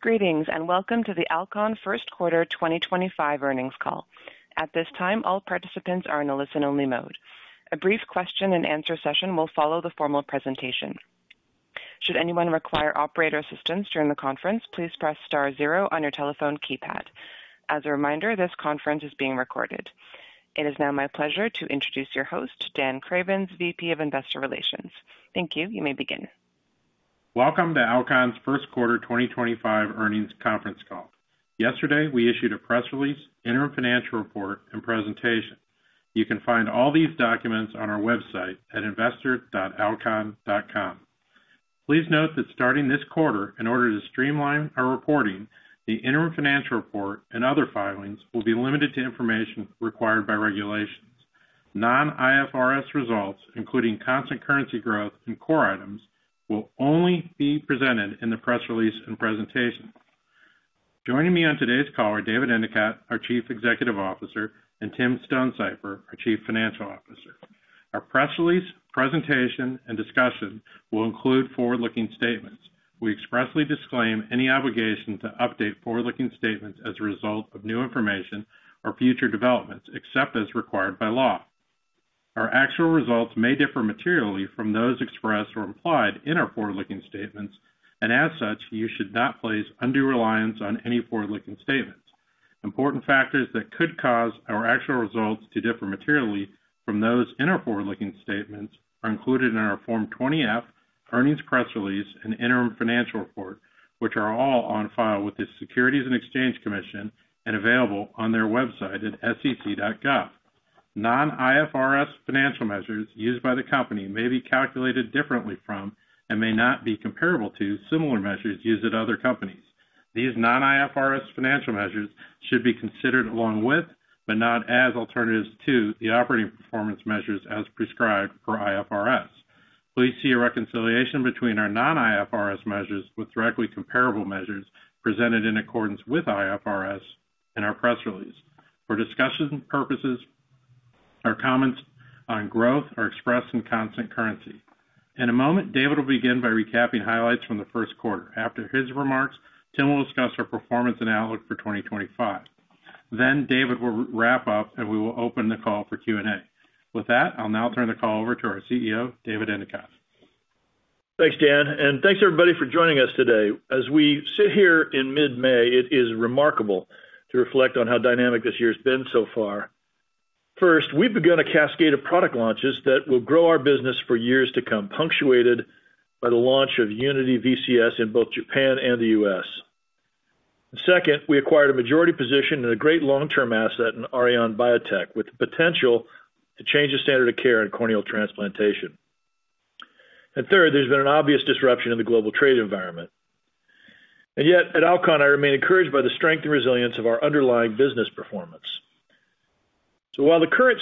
Greetings and welcome to the Alcon first quarter 2025 earnings call. At this time, all participants are in a listen-only mode. A brief question-and-answer session will follow the formal presentation. Should anyone require operator assistance during the conference, please press star zero on your telephone keypad. As a reminder, this conference is being recorded. It is now my pleasure to introduce your host, Dan Cravens, VP of Investor Relations. Thank you. You may begin. Welcome to Alcon's first quarter 2025 earnings conference call. Yesterday, we issued a press release, interim financial report, and presentation. You can find all these documents on our website at investor.alcon.com. Please note that starting this quarter, in order to streamline our reporting, the interim financial report and other filings will be limited to information required by regulations. Non-IFRS results, including constant currency growth and core items, will only be presented in the press release and presentation. Joining me on today's call are David Endicott, our Chief Executive Officer, and Tim Stonesifer, our Chief Financial Officer. Our press release, presentation, and discussion will include forward-looking statements. We expressly disclaim any obligation to update forward-looking statements as a result of new information or future developments except as required by law. Our actual results may differ materially from those expressed or implied in our forward-looking statements, and as such, you should not place undue reliance on any forward-looking statements. Important factors that could cause our actual results to differ materially from those in our forward-looking statements are included in our Form 20-F, earnings press release, and interim financial report, which are all on file with the Securities and Exchange Commission and available on their website at sec.gov. Non-IFRS financial measures used by the company may be calculated differently from and may not be comparable to similar measures used at other companies. These non-IFRS financial measures should be considered along with, but not as alternatives to, the operating performance measures as prescribed for IFRS. Please see a reconciliation between our non-IFRS measures with directly comparable measures presented in accordance with IFRS in our press release. For discussion purposes, our comments on growth are expressed in constant currency. In a moment, David will begin by recapping highlights from the first quarter. After his remarks, Tim will discuss our performance and outlook for 2025. David will wrap up, and we will open the call for Q&A. With that, I'll now turn the call over to our CEO, David Endicott. Thanks, Dan, and thanks, everybody, for joining us today. As we sit here in mid-May, it is remarkable to reflect on how dynamic this year has been so far. First, we've begun a cascade of product launches that will grow our business for years to come, punctuated by the launch of UNITY VCS in both Japan and the U.S. Second, we acquired a majority position in a great long-term asset in Aurion Biotech, with the potential to change the standard of care in corneal transplantation. Third, there's been an obvious disruption in the global trade environment. Yet, at Alcon, I remain encouraged by the strength and resilience of our underlying business performance. While the current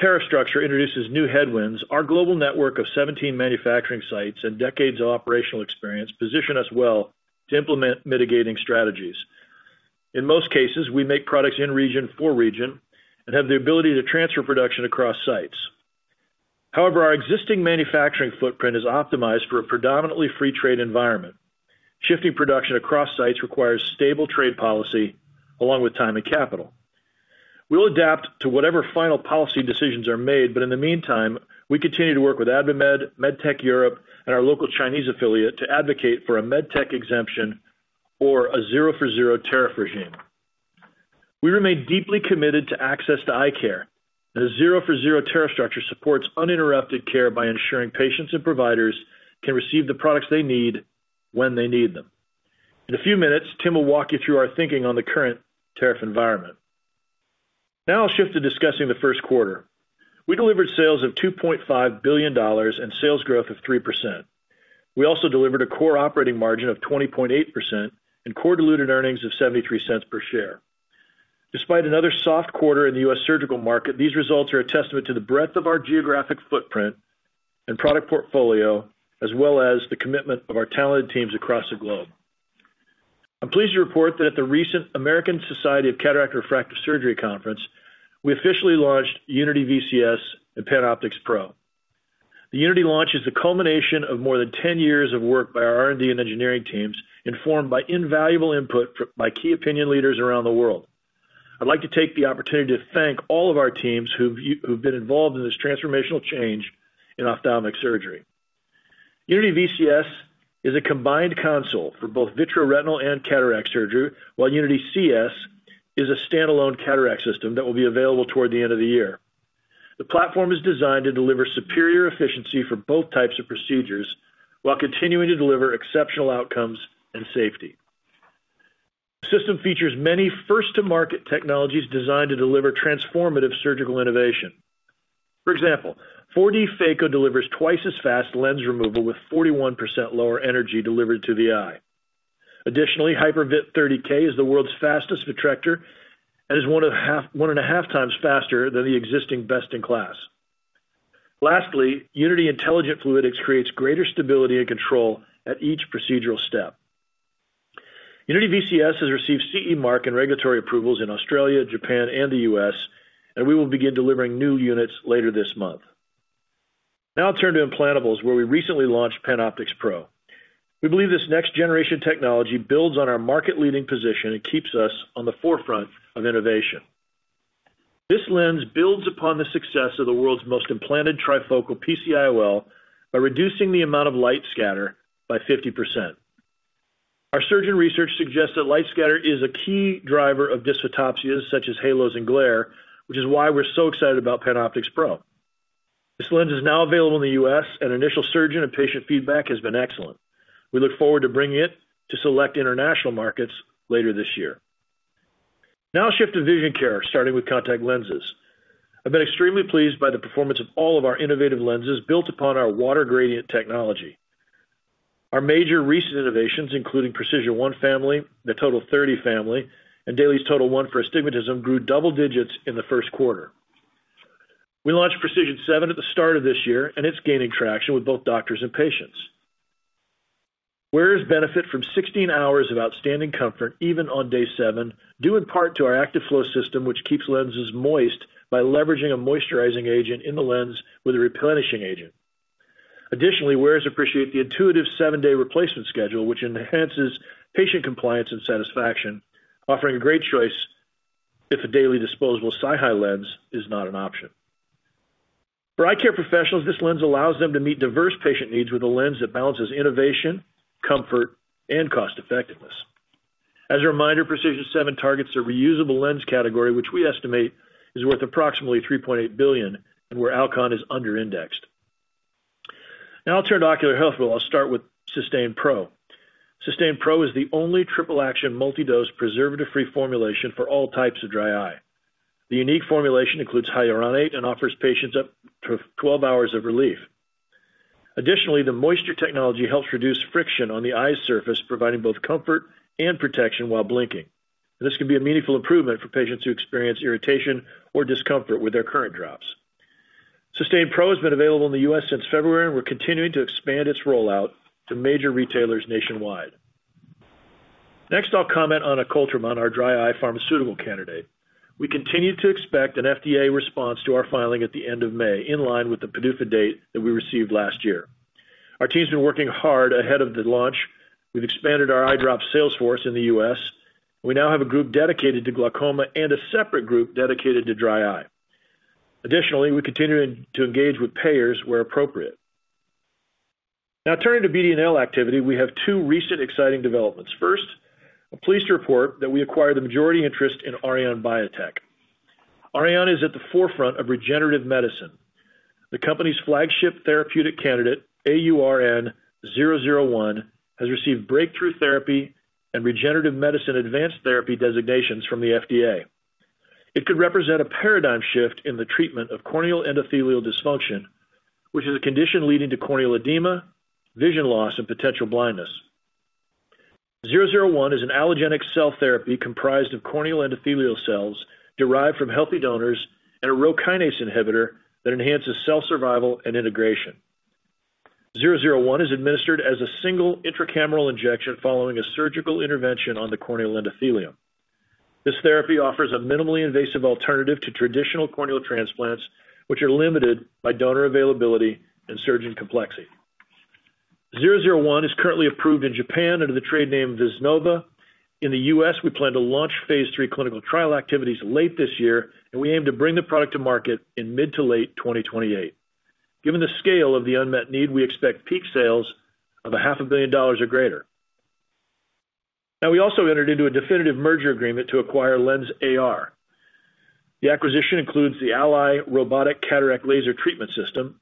tariff structure introduces new headwinds, our global network of 17 manufacturing sites and decades of operational experience position us well to implement mitigating strategies. In most cases, we make products in region for region and have the ability to transfer production across sites. However, our existing manufacturing footprint is optimized for a predominantly free trade environment. Shifting production across sites requires stable trade policy along with time and capital. We'll adapt to whatever final policy decisions are made, but in the meantime, we continue to work with AdvaMed, MedTech Europe, and our local Chinese affiliate to advocate for a MedTech exemption or a zero-for-zero tariff regime. We remain deeply committed to access to eye care. The zero-for-zero tariff structure supports uninterrupted care by ensuring patients and providers can receive the products they need when they need them. In a few minutes, Tim will walk you through our thinking on the current tariff environment. Now I'll shift to discussing the first quarter. We delivered sales of $2.5 billion and sales growth of 3%. We also delivered a core operating margin of 20.8% and core diluted earnings of $0.73 per share. Despite another soft quarter in the U.S. surgical market, these results are a testament to the breadth of our geographic footprint and product portfolio, as well as the commitment of our talented teams across the globe. I'm pleased to report that at the recent American Society of Cataract Refractive Surgery Conference, we officially launched UNITY VCS and PanOptix Pro. The UNITY launch is the culmination of more than 10 years of work by our R&D and engineering teams informed by invaluable input from key opinion leaders around the world. I'd like to take the opportunity to thank all of our teams who've been involved in this transformational change in ophthalmic surgery. UNITY VCS is a combined console for both vitreoretinal and cataract surgery, while UNITY CS is a standalone cataract system that will be available toward the end of the year. The platform is designed to deliver superior efficiency for both types of procedures while continuing to deliver exceptional outcomes and safety. The system features many first-to-market technologies designed to deliver transformative surgical innovation. For example, 4D Phaco delivers twice as fast lens removal with 41% lower energy delivered to the eye. Additionally, HYPERVIT 30K is the world's fastest vitrector and is 1.5x faster than the existing best in class. Lastly, UNITY Intelligent Fluidics creates greater stability and control at each procedural step. UNITY VCS has received CE Mark and regulatory approvals in Australia, Japan, and the U.S., and we will begin delivering new units later this month. Now I'll turn to implantables, where we recently launched PanOptix Pro. We believe this next-generation technology builds on our market-leading position and keeps us on the forefront of innovation. This lens builds upon the success of the world's most implanted trifocal PCIOL by reducing the amount of light scatter by 50%. Our surgeon research suggests that light scatter is a key driver of dysphotopsias such as halos and glare, which is why we're so excited about PanOptix Pro. This lens is now available in the U.S., and initial surgeon and patient feedback has been excellent. We look forward to bringing it to select international markets later this year. Now I'll shift to vision care, starting with contact lenses. I've been extremely pleased by the performance of all of our innovative lenses built upon our water gradient technology. Our major recent innovations, including PRECISION1 family, the TOTAL30 family, and Dailies TOTAL1 for Astigmatism, grew double digits in the first quarter. We launched PRECISION7 at the start of this year, and it's gaining traction with both doctors and patients. Wearers benefit from 16 hours of outstanding comfort, even on day seven, due in part to our ACTIV-FLO system, which keeps lenses moist by leveraging a moisturizing agent in the lens with a replenishing agent. Additionally, wearers appreciate the intuitive seven-day replacement schedule, which enhances patient compliance and satisfaction, offering a great choice if a daily disposable SiHy lens is not an option. For eye care professionals, this lens allows them to meet diverse patient needs with a lens that balances innovation, comfort, and cost-effectiveness. As a reminder, PRECISION7 targets a reusable lens category, which we estimate is worth approximately $3.8 billion, and where Alcon is under-indexed. Now I'll turn to ocular health, where I'll start with Systane PRO. Systane PRO is the only triple-action multi-dose preservative-free formulation for all types of dry eye. The unique formulation includes hyaluronate and offers patients up to 12 hours of relief. Additionally, the moisture technology helps reduce friction on the eye surface, providing both comfort and protection while blinking. This can be a meaningful improvement for patients who experience irritation or discomfort with their current drops. Systane PRO has been available in the U.S. since February and we're continuing to expand its rollout to major retailers nationwide. Next, I'll comment on Acoltremon, our dry eye pharmaceutical candidate. We continue to expect an FDA response to our filing at the end of May, in line with the PDUFA date that we received last year. Our team's been working hard ahead of the launch. We've expanded our eye drop sales force in the U.S. We now have a group dedicated to glaucoma and a separate group dedicated to dry eye. Additionally, we continue to engage with payers where appropriate. Now turning to BD&L activity, we have two recent exciting developments. First, I'm pleased to report that we acquired the majority interest in Aurion Biotech. Aurion is at the forefront of regenerative medicine. The company's flagship therapeutic candidate, AURN001, has received breakthrough therapy and regenerative medicine advanced therapy designations from the FDA. It could represent a paradigm shift in the treatment of corneal endothelial dysfunction, which is a condition leading to corneal edema, vision loss, and potential blindness. 001 is an allogeneic cell therapy comprised of corneal endothelial cells derived from healthy donors and a rho kinase inhibitor that enhances cell survival and integration. 001 is administered as a single intracameral injection following a surgical intervention on the corneal endothelium. This therapy offers a minimally invasive alternative to traditional corneal transplants, which are limited by donor availability and surgeon complexity. 001 is currently approved in Japan under the trade name Vyznova. In the U.S., we plan to launch phase III clinical trial activities late this year, and we aim to bring the product to market in mid to late 2028. Given the scale of the unmet need, we expect peak sales of $0.5 billion or greater. Now we also entered into a definitive merger agreement to acquire LENSAR. The acquisition includes the ALLY Robotic Cataract Laser Treatment System.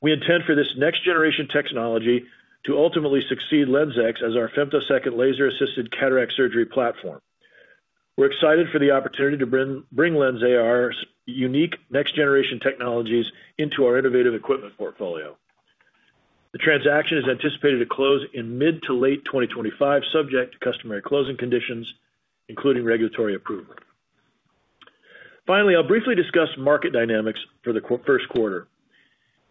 We intend for this next-generation technology to ultimately succeed LenSx as our femtosecond laser-assisted cataract surgery platform. We're excited for the opportunity to bring LENSAR's unique next-generation technologies into our innovative equipment portfolio. The transaction is anticipated to close in mid to late 2025, subject to customary closing conditions, including regulatory approval. Finally, I'll briefly discuss market dynamics for the first quarter.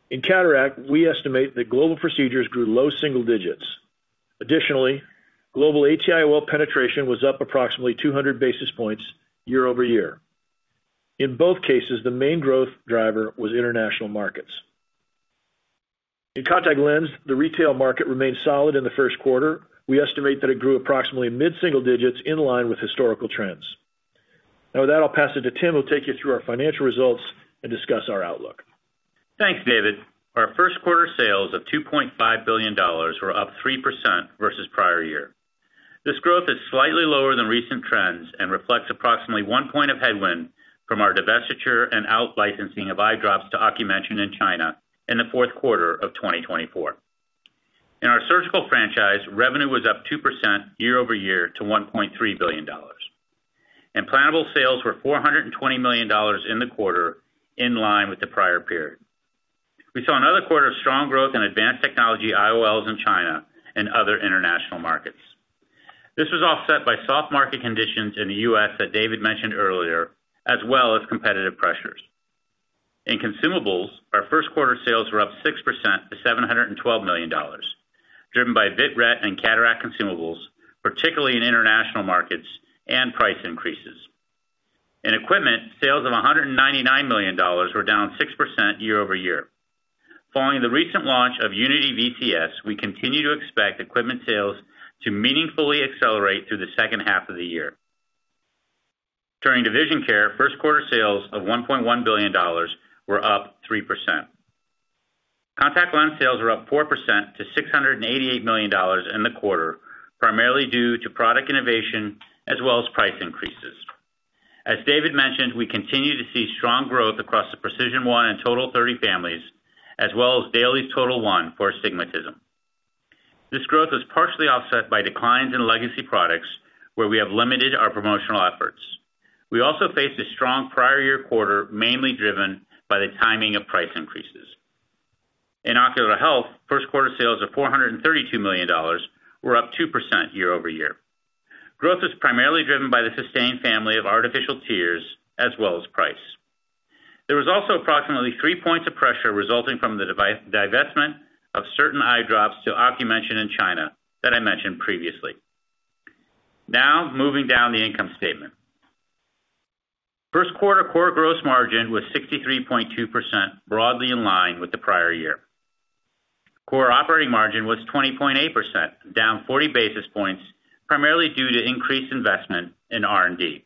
In cataract, we estimate that global procedures grew low single digits. Additionally, global ATIOL penetration was up approximately 200 basis points year-over-year. In both cases, the main growth driver was international markets. In contact lens, the retail market remained solid in the first quarter. We estimate that it grew approximately mid-single digits in line with historical trends. Now with that, I'll pass it to Tim, who will take you through our financial results and discuss our outlook. Thanks, David. Our first quarter sales of $2.5 billion were up 3% versus prior year. This growth is slightly lower than recent trends and reflects approximately one point of headwind from our divestiture and outlicensing of eye drops to OcuMension in China in the fourth quarter of 2024. In our surgical franchise, revenue was up 2% year-over-year to $1.3 billion. Implantable sales were $420 million in the quarter, in line with the prior period. We saw another quarter of strong growth in advanced technology IOLs in China and other international markets. This was offset by soft market conditions in the U.S. that David mentioned earlier, as well as competitive pressures. In consumables, our first quarter sales were up 6% to $712 million, driven by vit ret and cataract consumables, particularly in international markets and price increases. In equipment, sales of $199 million were down 6% year-over-year. Following the recent launch of UNITY VCS, we continue to expect equipment sales to meaningfully accelerate through the second half of the year. Turning to vision care, first quarter sales of $1.1 billion were up 3%. Contact lens sales were up 4% to $688 million in the quarter, primarily due to product innovation as well as price increases. As David mentioned, we continue to see strong growth across the PRECISION1 and TOTAL30 families, as well as Dailies TOTAL1 for astigmatism. This growth was partially offset by declines in legacy products, where we have limited our promotional efforts. We also faced a strong prior year quarter, mainly driven by the timing of price increases. In ocular health, first quarter sales of $432 million were up 2% year-over-year. Growth was primarily driven by the SYSTANE family of artificial tears as well as price. There was also approximately three points of pressure resulting from the divestment of certain eye drops to OcuMension in China that I mentioned previously. Now moving down the income statement. First quarter core gross margin was 63.2%, broadly in line with the prior year. Core operating margin was 20.8%, down 40 basis points, primarily due to increased investment in R&D.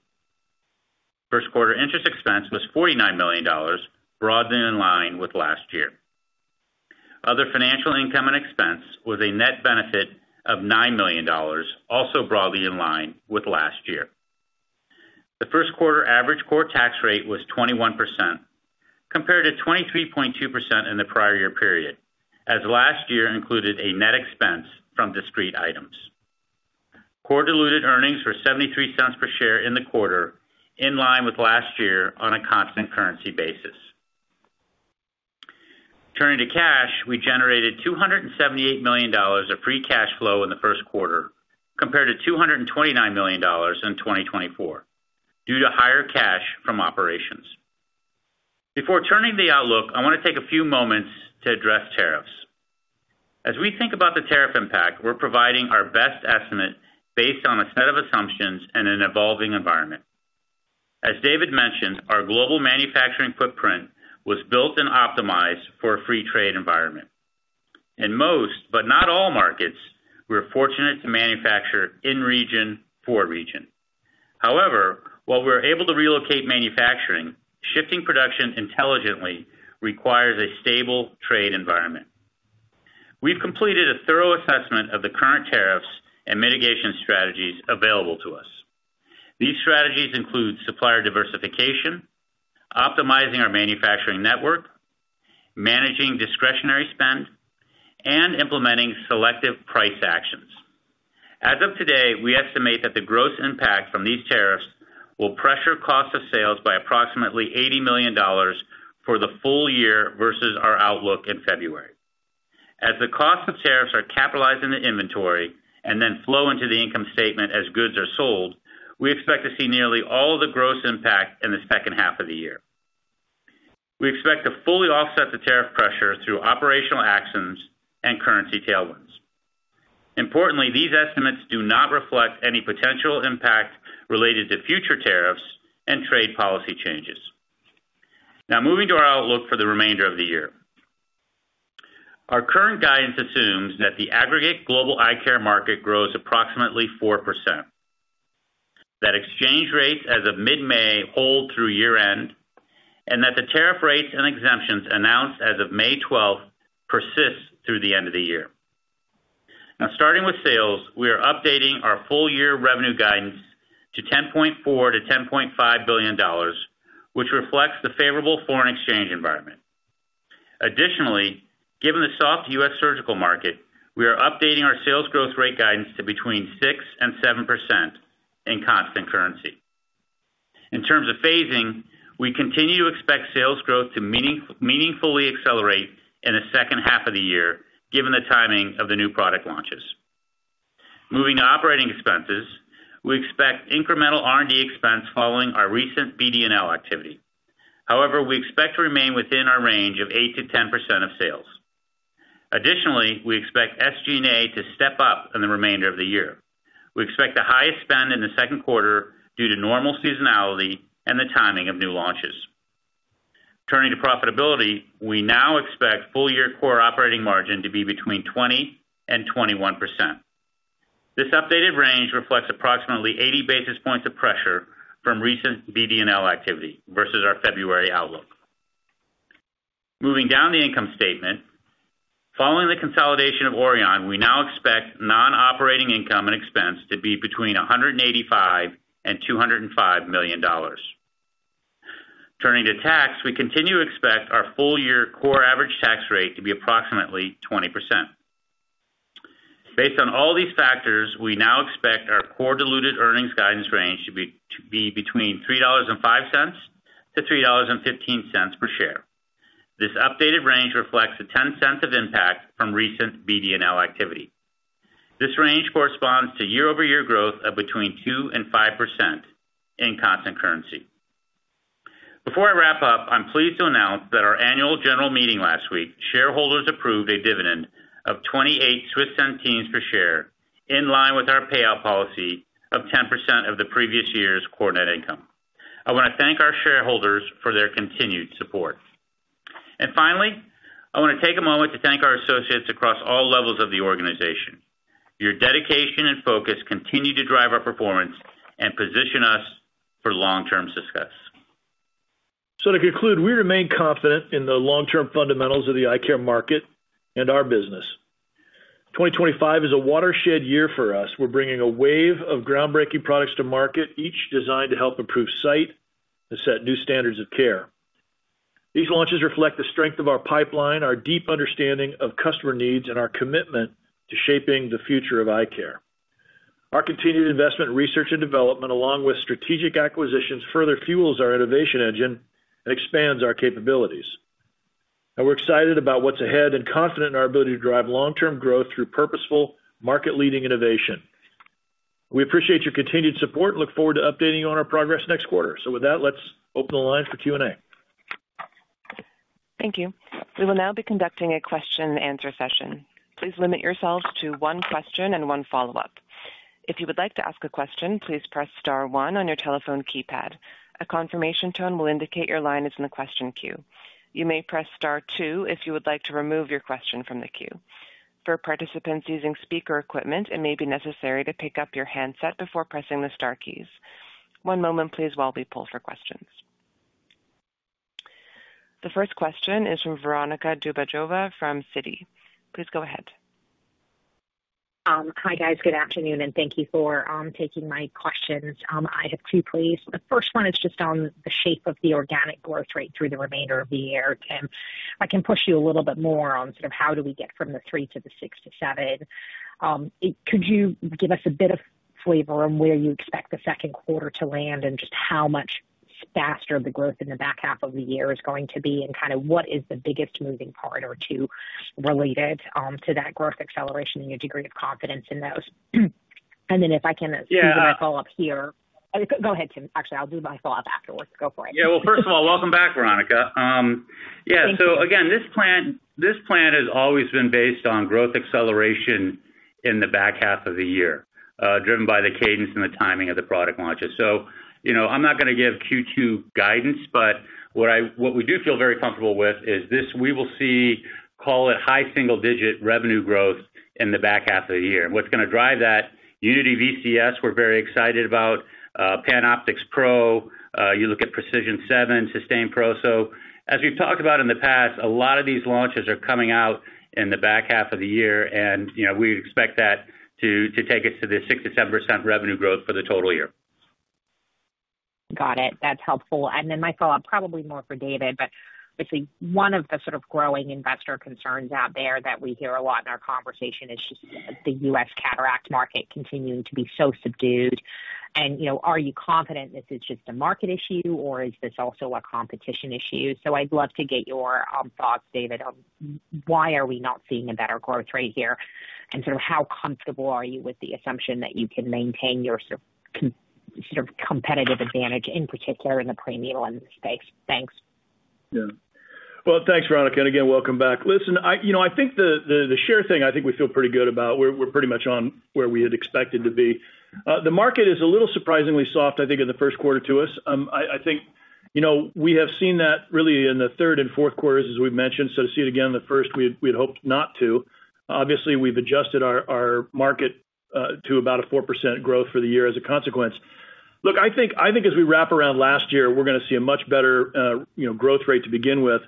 First quarter interest expense was $49 million, broadly in line with last year. Other financial income and expense was a net benefit of $9 million, also broadly in line with last year. The first quarter average core tax rate was 21%, compared to 23.2% in the prior year period, as last year included a net expense from discrete items. Core diluted earnings were $0.73 per share in the quarter, in line with last year on a constant currency basis. Turning to cash, we generated $278 million of free cash flow in the first quarter, compared to $229 million in 2024, due to higher cash from operations. Before turning to the outlook, I want to take a few moments to address tariffs. As we think about the tariff impact, we're providing our best estimate based on a set of assumptions and an evolving environment. As David mentioned, our global manufacturing footprint was built and optimized for a free trade environment. In most, but not all markets, we're fortunate to manufacture in region for region. However, while we're able to relocate manufacturing, shifting production intelligently requires a stable trade environment. We've completed a thorough assessment of the current tariffs and mitigation strategies available to us. These strategies include supplier diversification, optimizing our manufacturing network, managing discretionary spend, and implementing selective price actions. As of today, we estimate that the gross impact from these tariffs will pressure cost of sales by approximately $80 million for the full year versus our outlook in February. As the cost of tariffs are capitalized in the inventory and then flow into the income statement as goods are sold, we expect to see nearly all of the gross impact in the second half of the year. We expect to fully offset the tariff pressure through operational actions and currency tailwinds. Importantly, these estimates do not reflect any potential impact related to future tariffs and trade policy changes. Now moving to our outlook for the remainder of the year. Our current guidance assumes that the aggregate global eye care market grows approximately 4%, that exchange rates as of mid-May hold through year-end, and that the tariff rates and exemptions announced as of May 12th persist through the end of the year. Now starting with sales, we are updating our full year revenue guidance to $10.4 billion-$10.5 billion, which reflects the favorable foreign exchange environment. Additionally, given the soft U.S. surgical market, we are updating our sales growth rate guidance to between 6% and 7% in constant currency. In terms of phasing, we continue to expect sales growth to meaningfully accelerate in the second half of the year, given the timing of the new product launches. Moving to operating expenses, we expect incremental R&D expense following our recent BD&L activity. However, we expect to remain within our range of 8%-10% of sales. Additionally, we expect SG&A to step up in the remainder of the year. We expect the highest spend in the second quarter due to normal seasonality and the timing of new launches. Turning to profitability, we now expect full year core operating margin to be between 20%-21%. This updated range reflects approximately 80 basis points of pressure from recent BD&L activity versus our February outlook. Moving down the income statement, following the consolidation of Aurion, we now expect non-operating income and expense to be between $185 million-$205 million. Turning to tax, we continue to expect our full year core average tax rate to be approximately 20%. Based on all these factors, we now expect our core diluted earnings guidance range to be between $3.05-$3.15 per share. This updated range reflects a 10 cents of impact from recent BD&L activity. This range corresponds to year-over-year growth of between 2% and 5% in constant currency. Before I wrap up, I'm pleased to announce that at our annual general meeting last week, shareholders approved a dividend of 0.28 per share, in line with our payout policy of 10% of the previous year's core net income. I want to thank our shareholders for their continued support. Finally, I want to take a moment to thank our associates across all levels of the organization. Your dedication and focus continue to drive our performance and position us for long-term success. To conclude, we remain confident in the long-term fundamentals of the eye care market and our business. 2025 is a watershed year for us. We are bringing a wave of groundbreaking products to market, each designed to help improve sight and set new standards of care. These launches reflect the strength of our pipeline, our deep understanding of customer needs, and our commitment to shaping the future of eye care. Our continued investment in research and development, along with strategic acquisitions, further fuels our innovation engine and expands our capabilities. We are excited about what is ahead and confident in our ability to drive long-term growth through purposeful, market-leading innovation. We appreciate your continued support and look forward to updating you on our progress next quarter. With that, let's open the line for Q&A. Thank you. We will now be conducting a question-and-answer session. Please limit yourselves to one question and one follow-up. If you would like to ask a question, please press star one on your telephone keypad. A confirmation tone will indicate your line is in the question queue. You may press star two if you would like to remove your question from the queue. For participants using speaker equipment, it may be necessary to pick up your handset before pressing the star keys. One moment, please, while we pull for questions. The first question is from Veronica Dubajova from Citi. Please go ahead. Hi, guys. Good afternoon, and thank you for taking my questions. I have two pleas. The first one is just on the shape of the organic growth rate through the remainder of the year. Tim, I can push you a little bit more on sort of how do we get from the 3% to the 6%-7%. Could you give us a bit of flavor on where you expect the second quarter to land and just how much faster the growth in the back half of the year is going to be and kind of what is the biggest moving part or two related to that growth acceleration and your degree of confidence in those? If I can do my follow-up here. Yeah. Go ahead, Tim. Actually, I'll do my follow-up afterwards. Go for it. Yeah. First of all, welcome back, Veronica. Thank you. Yeah. This plan has always been based on growth acceleration in the back half of the year, driven by the cadence and the timing of the product launches. I'm not going to give Q2 guidance, but what we do feel very comfortable with is this: we will see, call it, high single-digit revenue growth in the back half of the year. What's going to drive that, UNITY VCS, we're very excited about, PanOptix Pro, you look at PRECISION7, Systane PRO. As we've talked about in the past, a lot of these launches are coming out in the back half of the year, and we expect that to take us to the 6-7% revenue growth for the total year. Got it. That's helpful. My follow-up, probably more for David, but actually one of the sort of growing investor concerns out there that we hear a lot in our conversation is just the U.S. cataract market continuing to be so subdued. Are you confident this is just a market issue, or is this also a competition issue? I'd love to get your thoughts, David, on why are we not seeing a better growth rate here and sort of how comfortable are you with the assumption that you can maintain your sort of competitive advantage, in particular in the pre-needle lens space? Thanks. Yeah. Thanks, Veronica. Again, welcome back. Listen, I think the share thing, I think we feel pretty good about. We're pretty much on where we had expected to be. The market is a little surprisingly soft, I think, in the first quarter to us. I think we have seen that really in the third and fourth quarters, as we've mentioned. To see it again in the first, we had hoped not to. Obviously, we've adjusted our market to about a 4% growth for the year as a consequence. Look, I think as we wrap around last year, we're going to see a much better growth rate to begin with.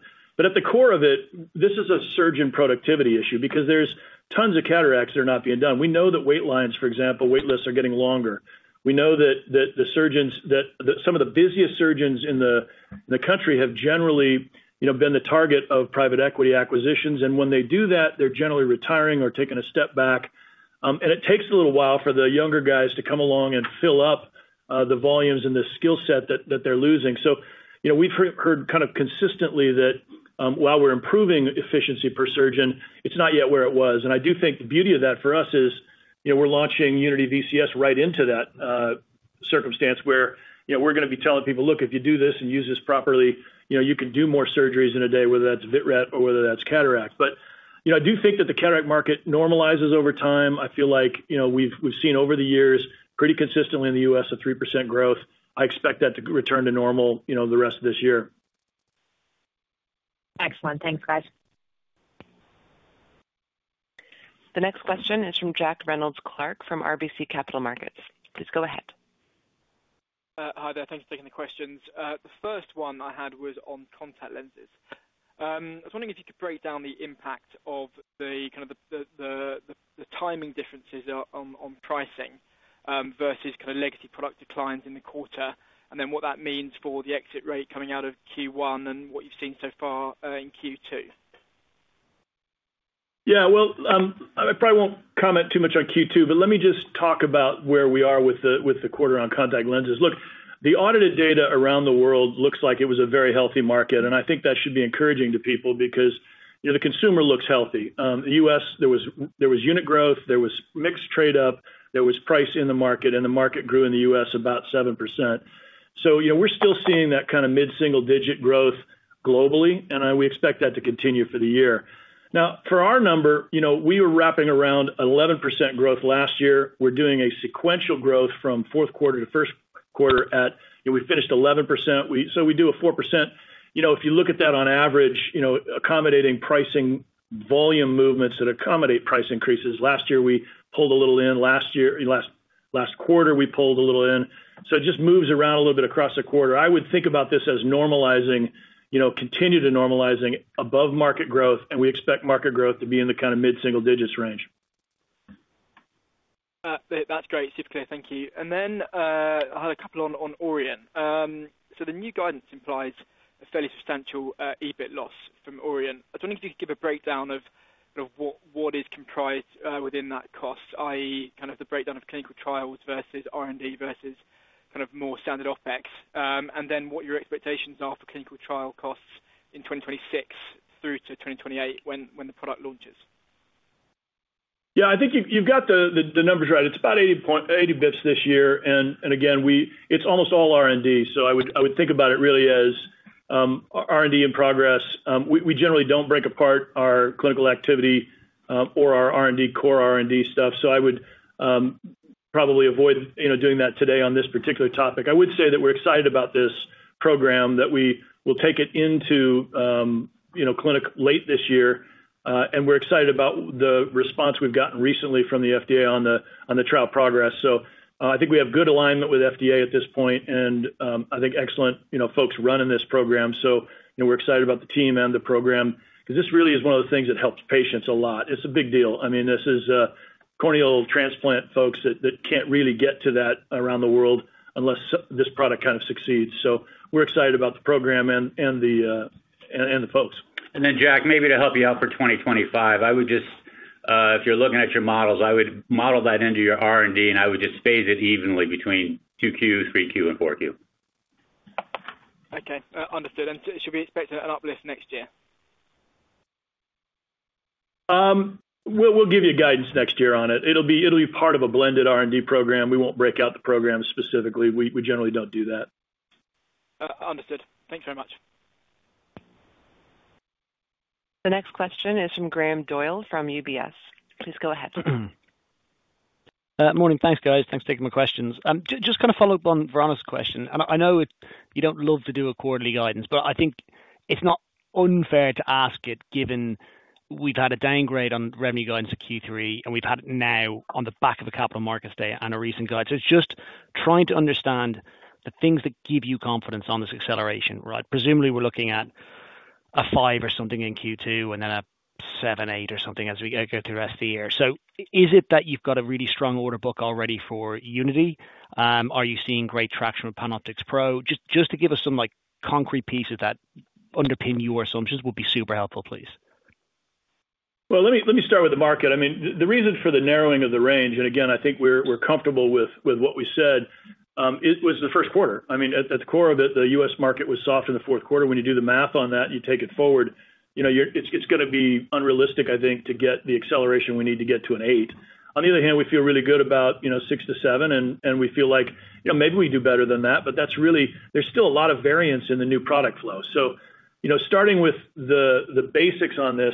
At the core of it, this is a surge in productivity issue because there's tons of cataracts that are not being done. We know that wait lines, for example, wait lists are getting longer. We know that some of the busiest surgeons in the country have generally been the target of private equity acquisitions. When they do that, they're generally retiring or taking a step back. It takes a little while for the younger guys to come along and fill up the volumes and the skill set that they're losing. We've heard kind of consistently that while we're improving efficiency per surgeon, it's not yet where it was. I do think the beauty of that for us is we're launching UNITY VCS right into that circumstance where we're going to be telling people, "Look, if you do this and use this properly, you can do more surgeries in a day, whether that's vitrect or whether that's cataract." I do think that the cataract market normalizes over time. I feel like we've seen over the years pretty consistently in the U.S. a 3% growth. I expect that to return to normal the rest of this year. Excellent. Thanks, guys. The next question is from Jack Reynolds-Clark from RBC Capital Markets. Please go ahead. Hi, there. Thanks for taking the questions. The first one I had was on contact lenses. I was wondering if you could break down the impact of the kind of the timing differences on pricing versus kind of legacy product declines in the quarter and then what that means for the exit rate coming out of Q1 and what you've seen so far in Q2. Yeah. I probably won't comment too much on Q2, but let me just talk about where we are with the quarter-round contact lenses. Look, the audited data around the world looks like it was a very healthy market. I think that should be encouraging to people because the consumer looks healthy. In the U.S., there was unit growth, there was mixed trade-up, there was price in the market, and the market grew in the U.S. about 7%. We're still seeing that kind of mid-single-digit growth globally, and we expect that to continue for the year. Now, for our number, we were wrapping around 11% growth last year. We're doing a sequential growth from fourth quarter to first quarter at we finished 11%. We do a 4%. If you look at that on average, accommodating pricing volume movements that accommodate price increases. Last year, we pulled a little in. Last quarter, we pulled a little in. It just moves around a little bit across the quarter. I would think about this as continuing to normalize above market growth, and we expect market growth to be in the kind of mid-single-digits range. That's great, super clear, thank you. I had a couple on Aurion. The new guidance implies a fairly substantial EBIT loss from Aurion. I was wondering if you could give a breakdown of what is comprised within that cost, i.e., kind of the breakdown of clinical trials versus R&D versus kind of more standard OpEx, and what your expectations are for clinical trial costs in 2026 through to 2028 when the product launches. Yeah. I think you've got the numbers right. It's about 80 basis points this year. Again, it's almost all R&D. I would think about it really as R&D in progress. We generally don't break apart our clinical activity or our R&D, core R&D stuff. I would probably avoid doing that today on this particular topic. I would say that we're excited about this program, that we will take it into clinic late this year. We're excited about the response we've gotten recently from the FDA on the trial progress. I think we have good alignment with FDA at this point, and I think excellent folks running this program. We're excited about the team and the program because this really is one of the things that helps patients a lot. It's a big deal. I mean, this is corneal transplant folks that can't really get to that around the world unless this product kind of succeeds. We are excited about the program and the folks. Jack, maybe to help you out for 2025, I would just, if you're looking at your models, I would model that into your R&D, and I would just phase it evenly between 2Q, 3Q, and 4Q. Okay. Understood. Should we expect an uplift next year? We'll give you guidance next year on it. It'll be part of a blended R&D program. We won't break out the program specifically. We generally don't do that. Understood. Thanks very much. The next question is from Graham Doyle from UBS. Please go ahead. Morning. Thanks, guys. Thanks for taking my questions. Just kind of follow up on Veronica's question. I know you do not love to do a quarterly guidance, but I think it is not unfair to ask it given we have had a downgrade on revenue guidance at Q3, and we have had it now on the back of a capital markets day and a recent guidance. It is just trying to understand the things that give you confidence on this acceleration, right? Presumably, we are looking at a 5 or something in Q2 and then a 7, 8, or something as we go through the rest of the year. Is it that you have got a really strong order book already for UNITY? Are you seeing great traction with PanOptix Pro? Just to give us some concrete pieces that underpin your assumptions would be super helpful, please. Let me start with the market. I mean, the reason for the narrowing of the range, and again, I think we're comfortable with what we said, was the first quarter. I mean, at the core of it, the U.S. market was soft in the fourth quarter. When you do the math on that and you take it forward, it's going to be unrealistic, I think, to get the acceleration we need to get to an 8. On the other hand, we feel really good about 6-7, and we feel like maybe we do better than that, but there's still a lot of variance in the new product flow. Starting with the basics on this,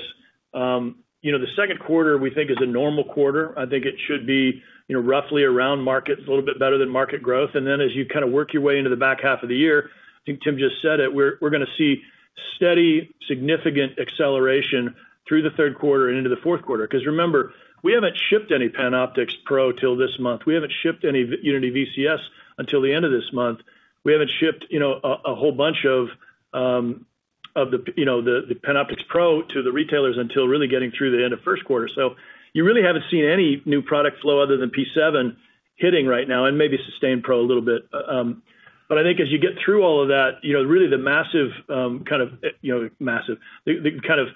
the second quarter, we think, is a normal quarter. I think it should be roughly around market, a little bit better than market growth. As you kind of work your way into the back half of the year, I think Tim just said it, we're going to see steady, significant acceleration through the third quarter and into the fourth quarter. Because remember, we haven't shipped any PanOptix Pro till this month. We haven't shipped any UNITY VCS until the end of this month. We haven't shipped a whole bunch of the PanOptix Pro to the retailers until really getting through the end of first quarter. You really haven't seen any new product flow other than PRECISION7 hitting right now and maybe Systane PRO a little bit. I think as you get through all of that, really the massive, kind of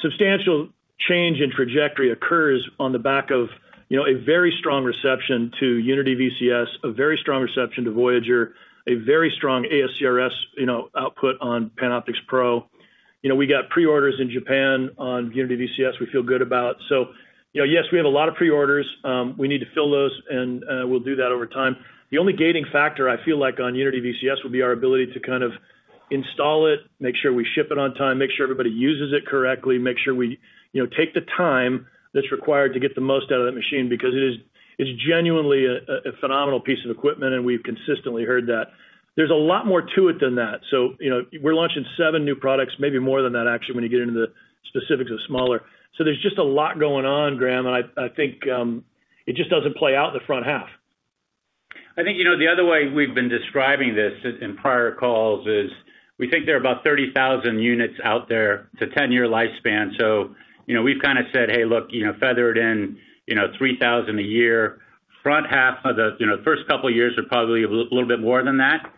substantial change in trajectory occurs on the back of a very strong reception to UNITY VCS, a very strong reception to Voyager, a very strong ASCRS output on PanOptix Pro. We got preorders in Japan on UNITY VCS we feel good about. Yes, we have a lot of preorders. We need to fill those, and we'll do that over time. The only gating factor I feel like on UNITY VCS would be our ability to kind of install it, make sure we ship it on time, make sure everybody uses it correctly, make sure we take the time that's required to get the most out of that machine because it is genuinely a phenomenal piece of equipment, and we've consistently heard that. There's a lot more to it than that. We're launching seven new products, maybe more than that, actually, when you get into the specifics of smaller. There's just a lot going on, Graham, and I think it just doesn't play out in the front half. I think the other way we've been describing this in prior calls is we think there are about 30,000 units out there. It's a 10-year lifespan. We've kind of said, "Hey, look, feather it in 3,000 a year." Front half of the first couple of years are probably a little bit more than that.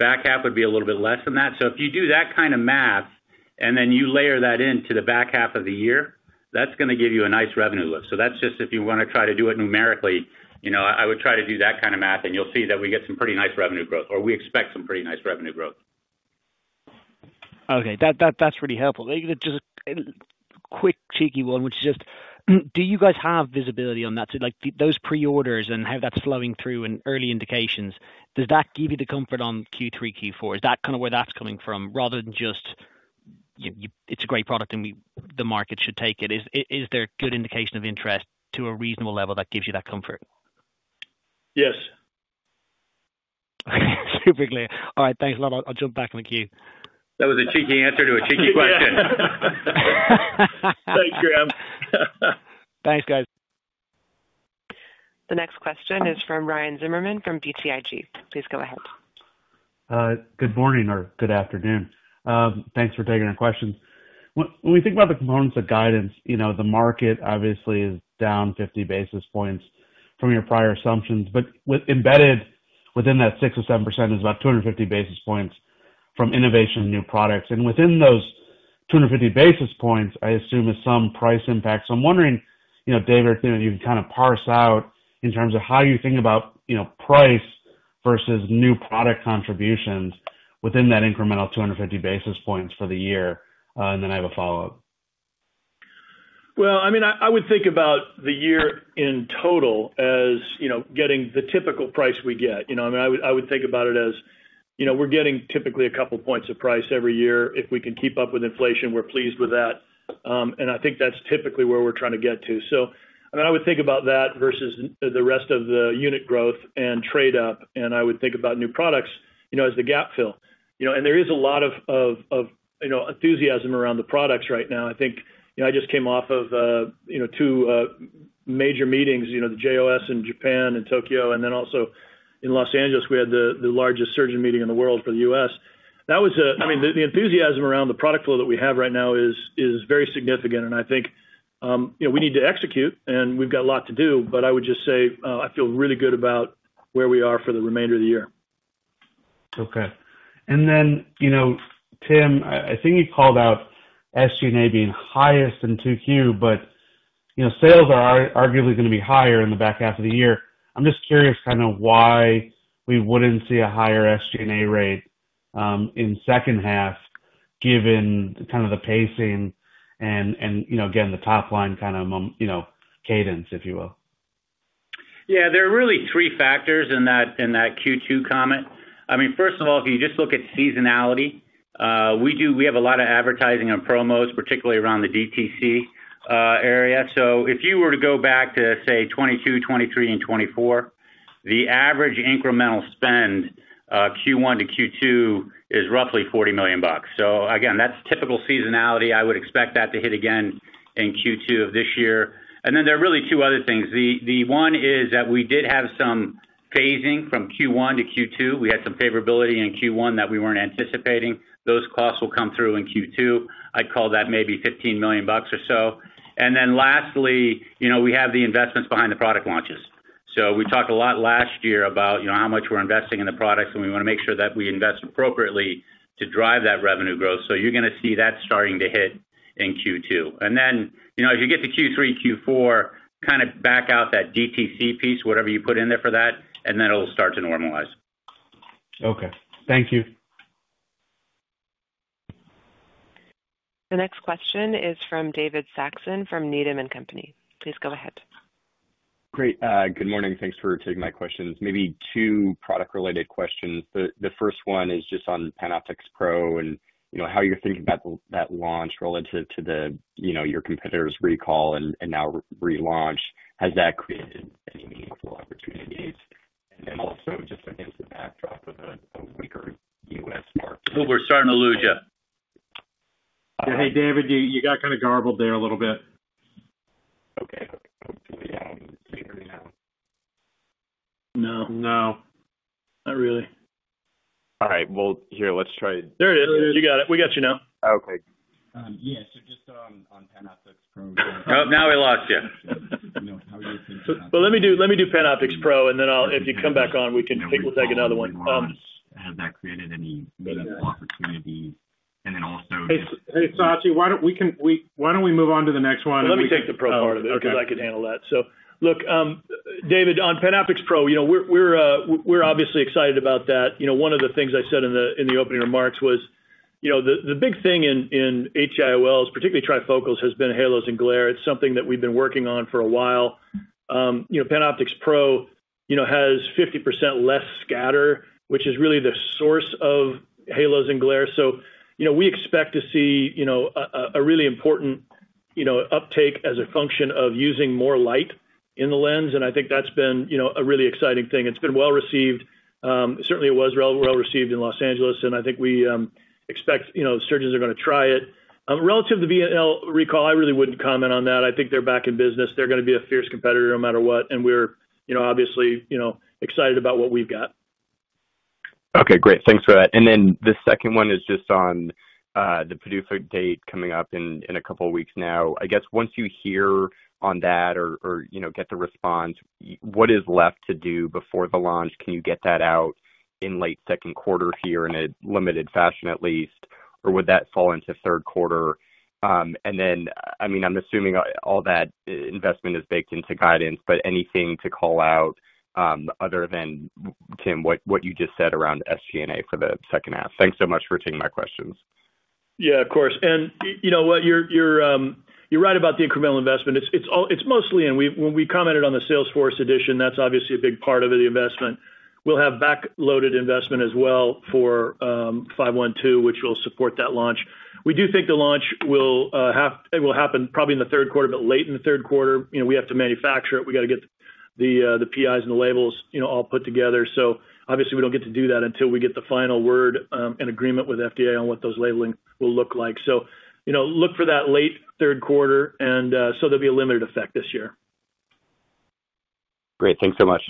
Back half would be a little bit less than that. If you do that kind of math and then you layer that into the back half of the year, that's going to give you a nice revenue lift. That's just if you want to try to do it numerically, I would try to do that kind of math, and you'll see that we get some pretty nice revenue growth or we expect some pretty nice revenue growth. Okay. That's really helpful. Just a quick, cheeky one, which is just, do you guys have visibility on that? Those preorders and how that's flowing through and early indications, does that give you the comfort on Q3, Q4? Is that kind of where that's coming from rather than just, "It's a great product and the market should take it"? Is there a good indication of interest to a reasonable level that gives you that comfort? Yes. Okay. Super clear. All right. Thanks a lot. I'll jump back on the queue. That was a cheeky answer to a cheeky question. Thanks, Graham. Thanks, guys. The next question is from Ryan Zimmerman from BTIG. Please go ahead. Good morning or good afternoon. Thanks for taking our questions. When we think about the components of guidance, the market obviously is down 50 basis points from your prior assumptions, but embedded within that 6% or 7% is about 250 basis points from innovation and new products. And within those 250 basis points, I assume is some price impact. So I'm wondering, David, if you can kind of parse out in terms of how you think about price versus new product contributions within that incremental 250 basis points for the year. And then I have a follow-up. I mean, I would think about the year in total as getting the typical price we get. I mean, I would think about it as we're getting typically a couple of points of price every year. If we can keep up with inflation, we're pleased with that. I think that's typically where we're trying to get to. I mean, I would think about that versus the rest of the unit growth and trade-up. I would think about new products as the gap fill. There is a lot of enthusiasm around the products right now. I think I just came off of two major meetings, the JOS in Japan and Tokyo, and then also in Los Angeles, we had the largest surgeon meeting in the world for the U.S. I mean, the enthusiasm around the product flow that we have right now is very significant. I think we need to execute, and we've got a lot to do, but I would just say I feel really good about where we are for the remainder of the year. Okay. Tim, I think you called out SG&A being highest in 2Q, but sales are arguably going to be higher in the back half of the year. I'm just curious kind of why we wouldn't see a higher SG&A rate in the second half given kind of the pacing and, again, the top line kind of cadence, if you will. Yeah. There are really three factors in that Q2 comment. I mean, first of all, if you just look at seasonality, we have a lot of advertising and promos, particularly around the DTC area. If you were to go back to, say, 2022, 2023, and 2024, the average incremental spend Q1 to Q2 is roughly $40 million. That is typical seasonality. I would expect that to hit again in Q2 of this year. There are really two other things. One is that we did have some phasing from Q1 to Q2. We had some favorability in Q1 that we were not anticipating. Those costs will come through in Q2. I would call that maybe $15 million or so. Lastly, we have the investments behind the product launches. We talked a lot last year about how much we're investing in the products, and we want to make sure that we invest appropriately to drive that revenue growth. You're going to see that starting to hit in Q2. As you get to Q3, Q4, kind of back out that DTC piece, whatever you put in there for that, and then it'll start to normalize. Okay. Thank you. The next question is from David Saxon from Needham & Company. Please go ahead. Great. Good morning. Thanks for taking my questions. Maybe two product-related questions. The first one is just on PanOptix Pro and how you're thinking about that launch relative to your competitor's recall and now relaunch. Has that created any meaningful opportunities? Also, just a hint of backdrop of a weaker U.S. market. People are starting to lose you. Hey, David, you got kind of garbled there a little bit. Okay. Hopefully, yeah, I can see everything now. No. No. Not really. All right. Here, let's try it. There it is. We got it. We got you now. Okay. Yeah. So just on PanOptix Pro. Oh, now we lost you. No. How are you? Let me do PanOptix Pro, and then if you come back on, we'll take another one. Has that created any meaningful opportunities? Then also. Hey, Saxon, why don't we move on to the next one? Let me take the Pro part of it because I can handle that. Look, David, on PanOptix Pro, we're obviously excited about that. One of the things I said in the opening remarks was the big thing in IOLs, particularly trifocals, has been halos and glare. It's something that we've been working on for a while. PanOptix Pro has 50% less scatter, which is really the source of halos and glare. We expect to see a really important uptake as a function of using more light in the lens. I think that's been a really exciting thing. It's been well received. Certainly, it was well received in Los Angeles, and I think we expect surgeons are going to try it. Relative to the V&L recall, I really wouldn't comment on that. I think they're back in business. They're going to be a fierce competitor no matter what, and we're obviously excited about what we've got. Okay. Great. Thanks for that. The second one is just on the PDUFA date coming up in a couple of weeks now. I guess once you hear on that or get the response, what is left to do before the launch? Can you get that out in late second quarter here in a limited fashion at least, or would that fall into third quarter? I mean, I'm assuming all that investment is baked into guidance, but anything to call out other than, Tim, what you just said around SG&A for the second half? Thanks so much for taking my questions. Yeah, of course. You're right about the incremental investment. It's mostly in. When we commented on the Salesforce edition, that's obviously a big part of the investment. We'll have backloaded investment as well for 512, which will support that launch. We do think the launch will happen probably in the third quarter, but late in the third quarter. We have to manufacture it. We got to get the PIs and the labels all put together. Obviously, we don't get to do that until we get the final word and agreement with FDA on what those labeling will look like. Look for that late third quarter, and there'll be a limited effect this year. Great. Thanks so much.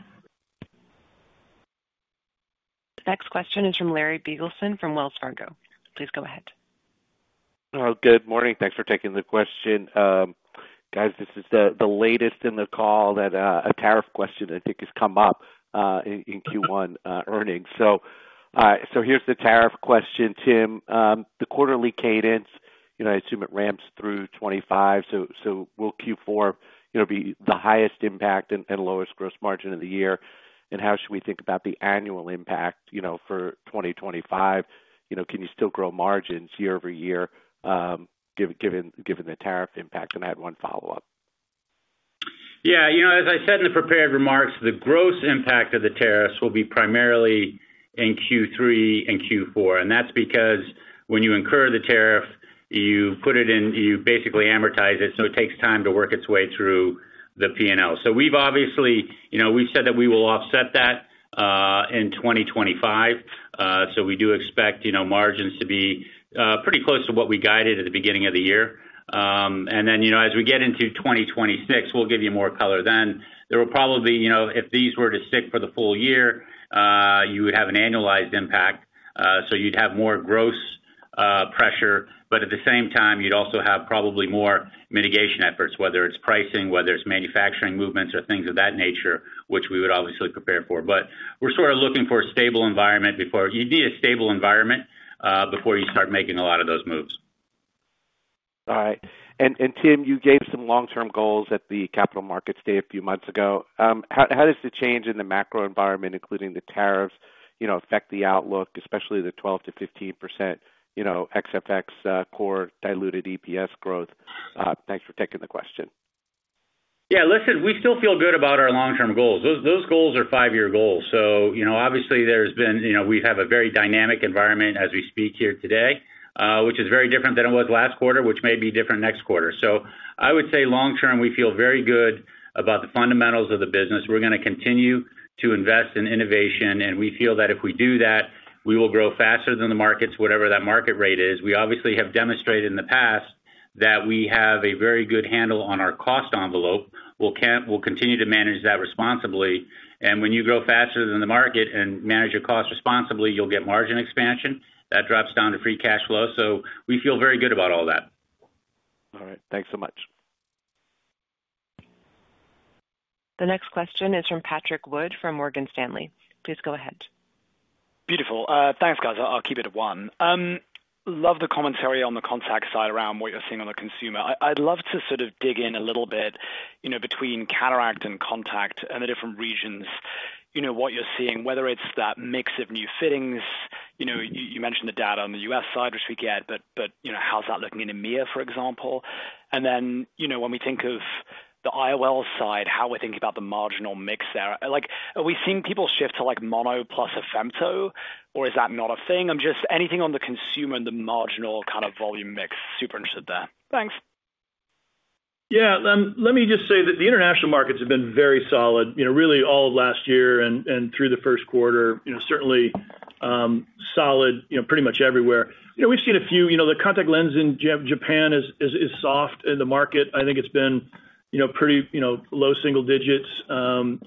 The next question is from Larry Biegelsen from Wells Fargo. Please go ahead. Good morning. Thanks for taking the question. Guys, this is the latest in the call that a tariff question, I think, has come up in Q1 earnings. Here is the tariff question, Tim. The quarterly cadence, I assume it ramps through 2025. Will Q4 be the highest impact and lowest gross margin of the year? How should we think about the annual impact for 2025? Can you still grow margins year-over-year given the tariff impact? I had one follow-up. Yeah. As I said in the prepared remarks, the gross impact of the tariffs will be primarily in Q3 and Q4. That is because when you incur the tariff, you put it in, you basically amortize it, so it takes time to work its way through the P&L. We have obviously said that we will offset that in 2025. We do expect margins to be pretty close to what we guided at the beginning of the year. As we get into 2026, we will give you more color then. There will probably, if these were to stick for the full year, you would have an annualized impact. You would have more gross pressure, but at the same time, you would also have probably more mitigation efforts, whether it is pricing, whether it is manufacturing movements, or things of that nature, which we would obviously prepare for. We're sort of looking for a stable environment before. You need a stable environment before you start making a lot of those moves. All right. Tim, you gave some long-term goals at the Capital Markets Day a few months ago. How does the change in the macro environment, including the tariffs, affect the outlook, especially the 12%-15% ex FX core diluted EPS growth? Thanks for taking the question. Yeah. Listen, we still feel good about our long-term goals. Those goals are five-year goals. Obviously, we have a very dynamic environment as we speak here today, which is very different than it was last quarter, which may be different next quarter. I would say long-term, we feel very good about the fundamentals of the business. We're going to continue to invest in innovation, and we feel that if we do that, we will grow faster than the markets, whatever that market rate is. We obviously have demonstrated in the past that we have a very good handle on our cost envelope. We'll continue to manage that responsibly. When you grow faster than the market and manage your cost responsibly, you'll get margin expansion. That drops down to free cash flow. We feel very good about all that. All right. Thanks so much. The next question is from Patrick Wood from Morgan Stanley. Please go ahead. Beautiful. Thanks, guys. I'll keep it at one. Love the commentary on the contact side around what you're seeing on the consumer. I'd love to sort of dig in a little bit between cataract and contact and the different regions, what you're seeing, whether it's that mix of new fittings. You mentioned the data on the U.S. side, which we get, but how's that looking in EMEA, for example? When we think of the IOL side, how we're thinking about the marginal mix there. Are we seeing people shift to mono plus a femto, or is that not a thing? I'm just anything on the consumer and the marginal kind of volume mix. Super interested there. Thanks. Yeah. Let me just say that the international markets have been very solid, really all of last year and through the first quarter. Certainly solid pretty much everywhere. We've seen a few. The contact lens in Japan is soft in the market. I think it's been pretty low single digits. I mean,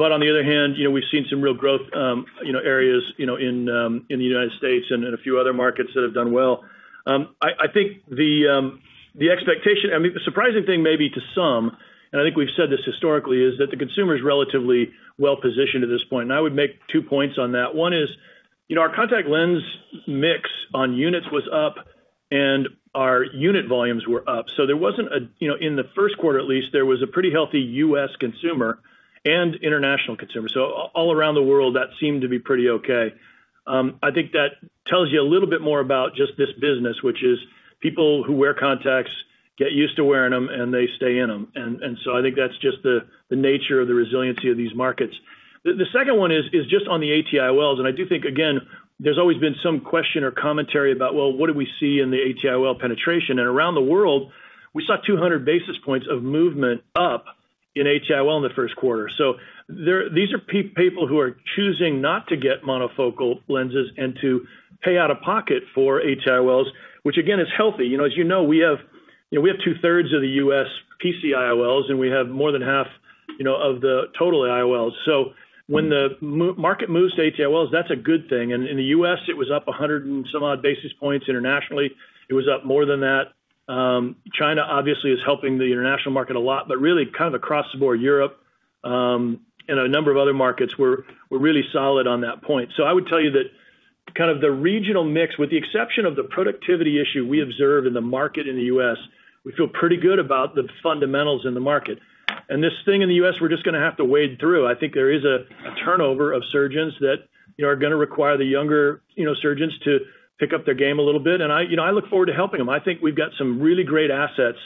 on the other hand, we've seen some real growth areas in the United States and a few other markets that have done well. I think the expectation, I mean, the surprising thing maybe to some, and I think we've said this historically, is that the consumer is relatively well positioned at this point. I would make two points on that. One is our contact lens mix on units was up, and our unit volumes were up. There wasn't a, in the first quarter at least, there was a pretty healthy U.S. consumer and international consumer. All around the world, that seemed to be pretty okay. I think that tells you a little bit more about just this business, which is people who wear contacts get used to wearing them, and they stay in them. I think that's just the nature of the resiliency of these markets. The second one is just on the ATIOLs. I do think, again, there's always been some question or commentary about, well, what do we see in the ATIOL penetration? Around the world, we saw 200 basis points of movement up in ATIOL in the first quarter. These are people who are choosing not to get monofocal lenses and to pay out of pocket for ATIOLs, which again is healthy. As you know, we have 2/3 of the U.S. PCIOLs, and we have more than half of the total IOLs. When the market moves to ATIOLs, that's a good thing. In the U.S., it was up 100 and some odd basis points. Internationally, it was up more than that. China, obviously, is helping the international market a lot, but really kind of across the board, Europe and a number of other markets were really solid on that point. I would tell you that kind of the regional mix, with the exception of the productivity issue we observed in the market in the U.S., we feel pretty good about the fundamentals in the market. This thing in the U.S., we're just going to have to wade through. I think there is a turnover of surgeons that are going to require the younger surgeons to pick up their game a little bit. I look forward to helping them. I think we've got some really great assets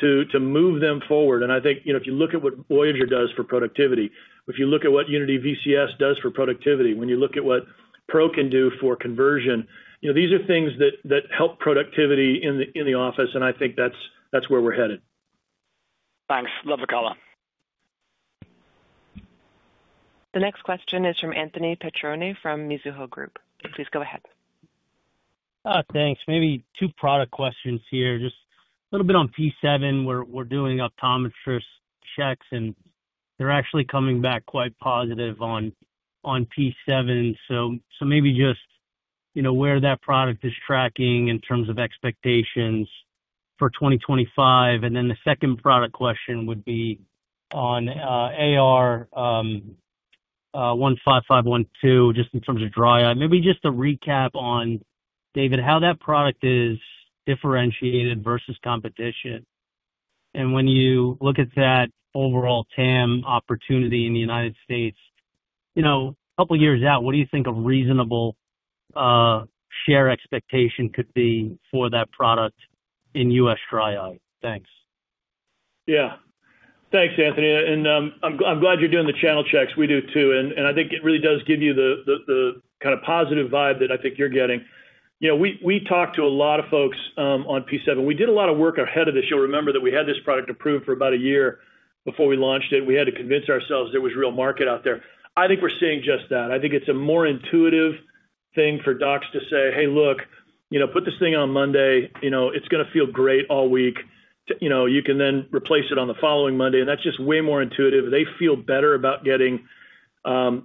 to move them forward. I think if you look at what Voyager does for productivity, if you look at what UNITY VCS does for productivity, when you look at what Pro can do for conversion, these are things that help productivity in the office, and I think that's where we're headed. Thanks. Love the color. The next question is from Anthony Petrone from Mizuho Group. Please go ahead. Thanks. Maybe two product questions here. Just a little bit on P7. We're doing optometrist checks, and they're actually coming back quite positive on P7. Maybe just where that product is tracking in terms of expectations for 2025. The second product question would be on AR-15512, just in terms of dry eye. Maybe just a recap on, David, how that product is differentiated versus competition. When you look at that overall TAM opportunity in the U.S., a couple of years out, what do you think a reasonable share expectation could be for that product in U.S. dry eye? Thanks. Yeah. Thanks, Anthony. I'm glad you're doing the channel checks. We do too. I think it really does give you the kind of positive vibe that I think you're getting. We talked to a lot of folks on P7. We did a lot of work ahead of this. You'll remember that we had this product approved for about a year before we launched it. We had to convince ourselves there was real market out there. I think we're seeing just that. I think it's a more intuitive thing for docs to say, "Hey, look, put this thing on Monday. It's going to feel great all week. You can then replace it on the following Monday." That's just way more intuitive. They feel better about getting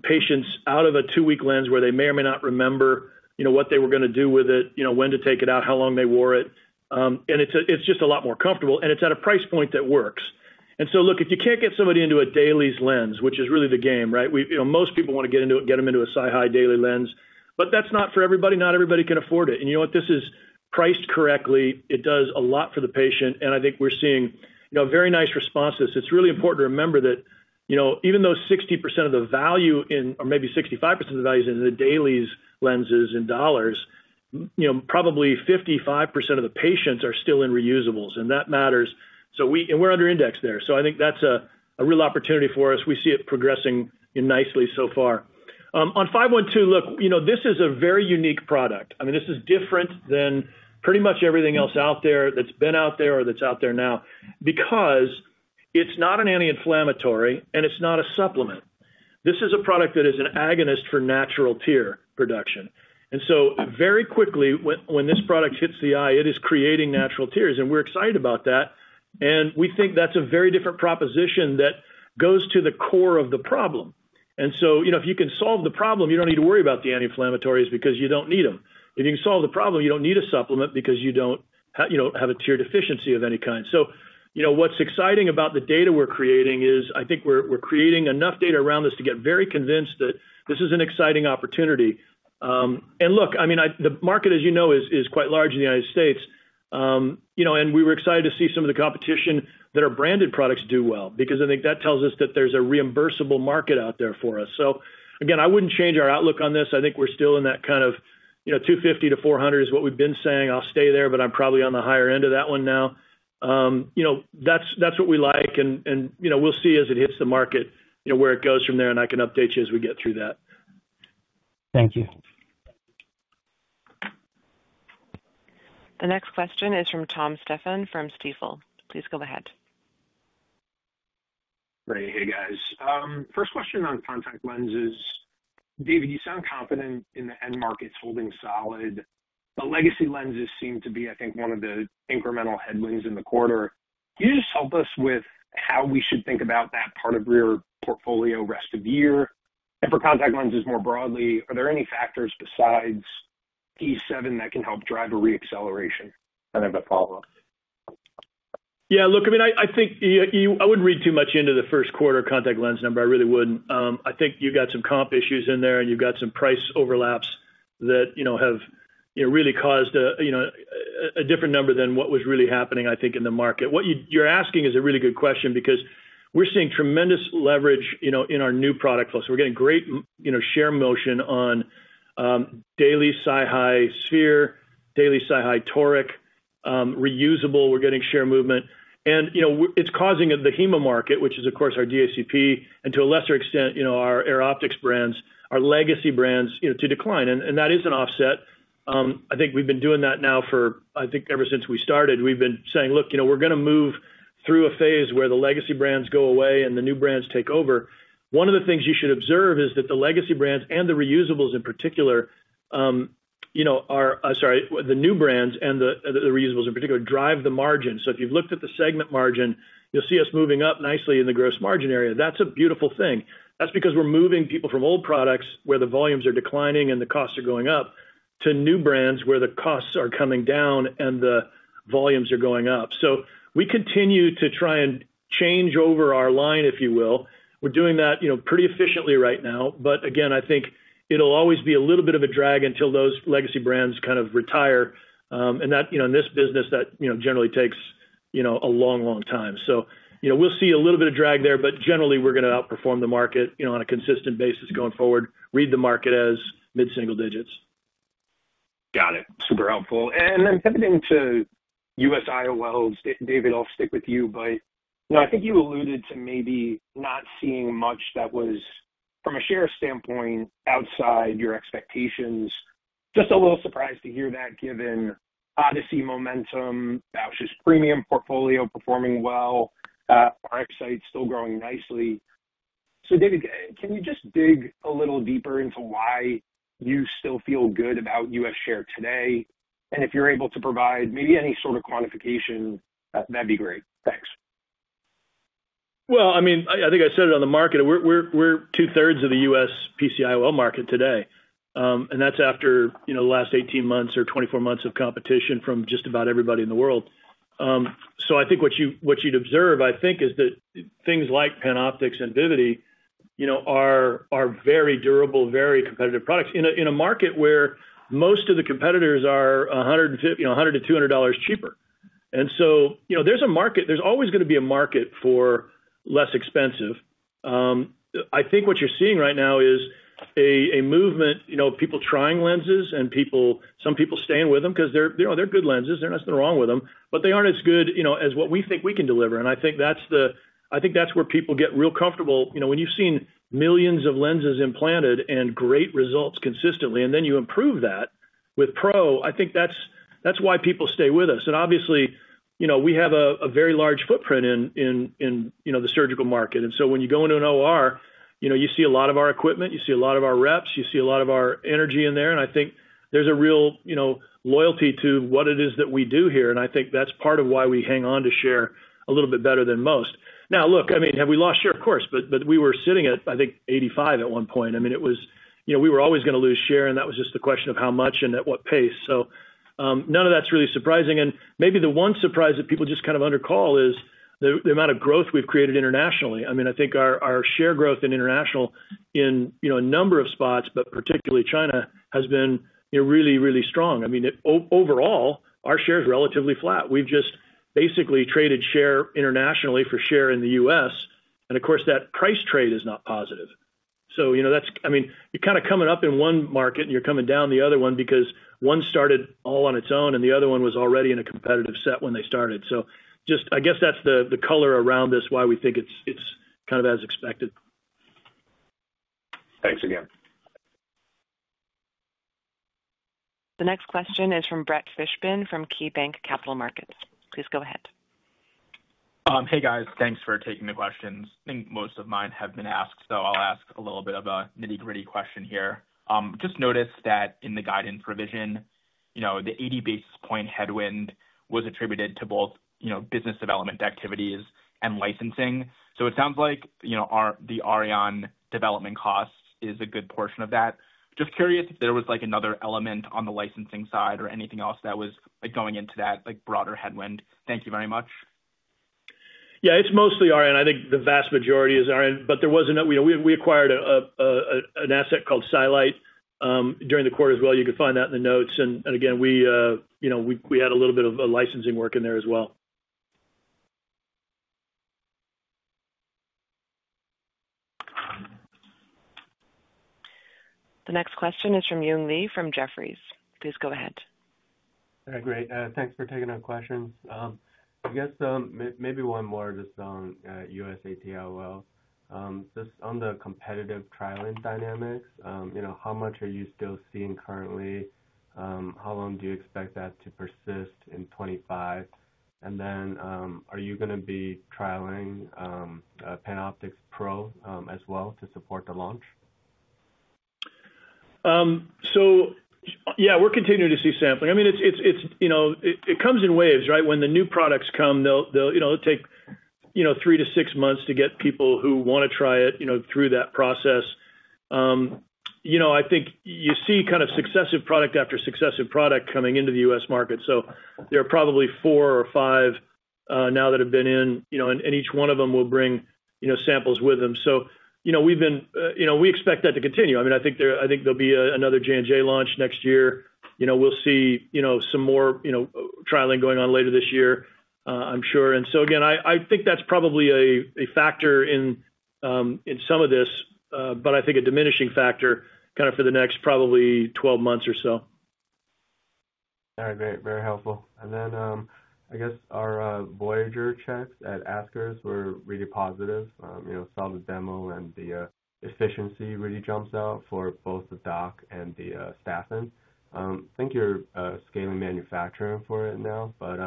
patients out of a two-week lens where they may or may not remember what they were going to do with it, when to take it out, how long they wore it. It is just a lot more comfortable, and it is at a price point that works. Look, if you cannot get somebody into a Dailies lens, which is really the game, right? Most people want to get them into a SiHy daily lens, but that is not for everybody. Not everybody can afford it. You know what? This is priced correctly. It does a lot for the patient. I think we are seeing very nice responses. It is really important to remember that even though 60% of the value in, or maybe 65% of the value is in the Dailies lenses in dollars, probably 55% of the patients are still in reusables, and that matters. We're under index there. I think that's a real opportunity for us. We see it progressing nicely so far. On AR-15512, look, this is a very unique product. I mean, this is different than pretty much everything else out there that's been out there or that's out there now because it's not an anti-inflammatory, and it's not a supplement. This is a product that is an agonist for natural tear production. Very quickly, when this product hits the eye, it is creating natural tears, and we're excited about that. We think that's a very different proposition that goes to the core of the problem. If you can solve the problem, you don't need to worry about the anti-inflammatories because you don't need them. If you can solve the problem, you do not need a supplement because you do not have a tear deficiency of any kind. What is exciting about the data we are creating is I think we are creating enough data around this to get very convinced that this is an exciting opportunity. I mean, the market, as you know, is quite large in the United States. We were excited to see some of the competition that our branded products do well because I think that tells us that there is a reimbursable market out there for us. Again, I would not change our outlook on this. I think we are still in that kind of $250 million-$400 million is what we have been saying. I will stay there, but I am probably on the higher end of that one now. That's what we like, and we'll see as it hits the market where it goes from there, and I can update you as we get through that. Thank you. The next question is from Tom Stephan from Stifel. Please go ahead. Great. Hey, guys. First question on contact lenses. David, you sound confident in the end markets holding solid. The legacy lenses seem to be, I think, one of the incremental headwinds in the quarter. Can you just help us with how we should think about that part of your portfolio rest of year? For contact lenses more broadly, are there any factors besides P7 that can help drive a reacceleration? I have a follow-up. Yeah. Look, I mean, I think I wouldn't read too much into the first quarter contact lens number. I really wouldn't. I think you got some comp issues in there, and you've got some price overlaps that have really caused a different number than what was really happening, I think, in the market. What you're asking is a really good question because we're seeing tremendous leverage in our new product flow. We're getting great share motion on daily SiHy sphere, daily SiHy toric, reusable. We're getting share movement. It is causing the hemo market, which is, of course, our DACP, and to a lesser extent, our AIR OPTIX brands, our legacy brands to decline. That is an offset. I think we've been doing that now for, I think, ever since we started. We've been saying, "Look, we're going to move through a phase where the legacy brands go away and the new brands take over." One of the things you should observe is that the legacy brands and the reusables in particular are, sorry, the new brands and the reusables in particular drive the margin. If you've looked at the segment margin, you'll see us moving up nicely in the gross margin area. That's a beautiful thing. That's because we're moving people from old products where the volumes are declining and the costs are going up to new brands where the costs are coming down and the volumes are going up. We continue to try and change over our line, if you will. We're doing that pretty efficiently right now. Again, I think it'll always be a little bit of a drag until those legacy brands kind of retire. In this business, that generally takes a long, long time. We'll see a little bit of drag there, but generally, we're going to outperform the market on a consistent basis going forward. Read the market as mid-single digits. Got it. Super helpful. Then pivoting to U.S. IOLs, David, I'll stick with you, but I think you alluded to maybe not seeing much that was, from a share standpoint, outside your expectations. Just a little surprised to hear that given Odyssey momentum, Bausch's premium portfolio performing well, our site still growing nicely. David, can you just dig a little deeper into why you still feel good about U.S. share today? If you're able to provide maybe any sort of quantification, that'd be great. Thanks. I mean, I think I said it on the market. We're 2/3 of the U.S. PCIOL market today. And that's after the last 18 months or 24 months of competition from just about everybody in the world. I think what you'd observe, I think, is that things like PanOptix and Vivity are very durable, very competitive products in a market where most of the competitors are $100-$200 cheaper. There's a market. There's always going to be a market for less expensive. I think what you're seeing right now is a movement of people trying lenses and some people staying with them because they're good lenses. There's nothing wrong with them, but they aren't as good as what we think we can deliver. I think that's where people get real comfortable. When you've seen millions of lenses implanted and great results consistently, and then you improve that with Pro, I think that's why people stay with us. Obviously, we have a very large footprint in the surgical market. When you go into an OR, you see a lot of our equipment, you see a lot of our reps, you see a lot of our energy in there. I think there's a real loyalty to what it is that we do here. I think that's part of why we hang on to share a little bit better than most. Now, look, I mean, have we lost share? Of course. We were sitting at, I think, 85 at one point. I mean, we were always going to lose share, and that was just the question of how much and at what pace. None of that's really surprising. Maybe the one surprise that people just kind of undercall is the amount of growth we've created internationally. I mean, I think our share growth in international, in a number of spots, but particularly China, has been really, really strong. I mean, overall, our share is relatively flat. We've just basically traded share internationally for share in the U.S. Of course, that price trade is not positive. I mean, you're kind of coming up in one market and you're coming down in the other one because one started all on its own and the other one was already in a competitive set when they started. I guess that's the color around this, why we think it's kind of as expected. Thanks again. The next question is from Brett Fishbin from KeyBanc Capital Markets. Please go ahead. Hey, guys. Thanks for taking the questions. I think most of mine have been asked, so I'll ask a little bit of a nitty-gritty question here. Just noticed that in the guidance provision, the 80 basis point headwind was attributed to both business development activities and licensing. So it sounds like the Aurion development cost is a good portion of that. Just curious if there was another element on the licensing side or anything else that was going into that broader headwind. Thank you very much. Yeah, it's mostly Aurion. I think the vast majority is Aurion, but there was a we acquired an asset called Cylite during the quarter as well. You can find that in the notes. Again, we had a little bit of licensing work in there as well. The next question is from Young Li from Jefferies. Please go ahead. All right. Great. Thanks for taking our questions. I guess maybe one more just on U.S. ATIOL. Just on the competitive trialing dynamics, how much are you still seeing currently? How long do you expect that to persist in 2025? And are you going to be trialing PanOptix Pro as well to support the launch? Yeah, we're continuing to see sampling. I mean, it comes in waves, right? When the new products come, it'll take three to six months to get people who want to try it through that process. I think you see kind of successive product after successive product coming into the U.S. market. There are probably four or five now that have been in, and each one of them will bring samples with them. We expect that to continue. I mean, I think there'll be another J&J launch next year. We'll see some more trialing going on later this year, I'm sure. Again, I think that's probably a factor in some of this, but I think a diminishing factor kind of for the next probably 12 months or so. All right. Great. Very helpful. I guess our Voyager checks at ASCRS were really positive. Saw the demo and the efficiency really jumps out for both the doc and the staffing. I think you're scaling manufacturing for it now, but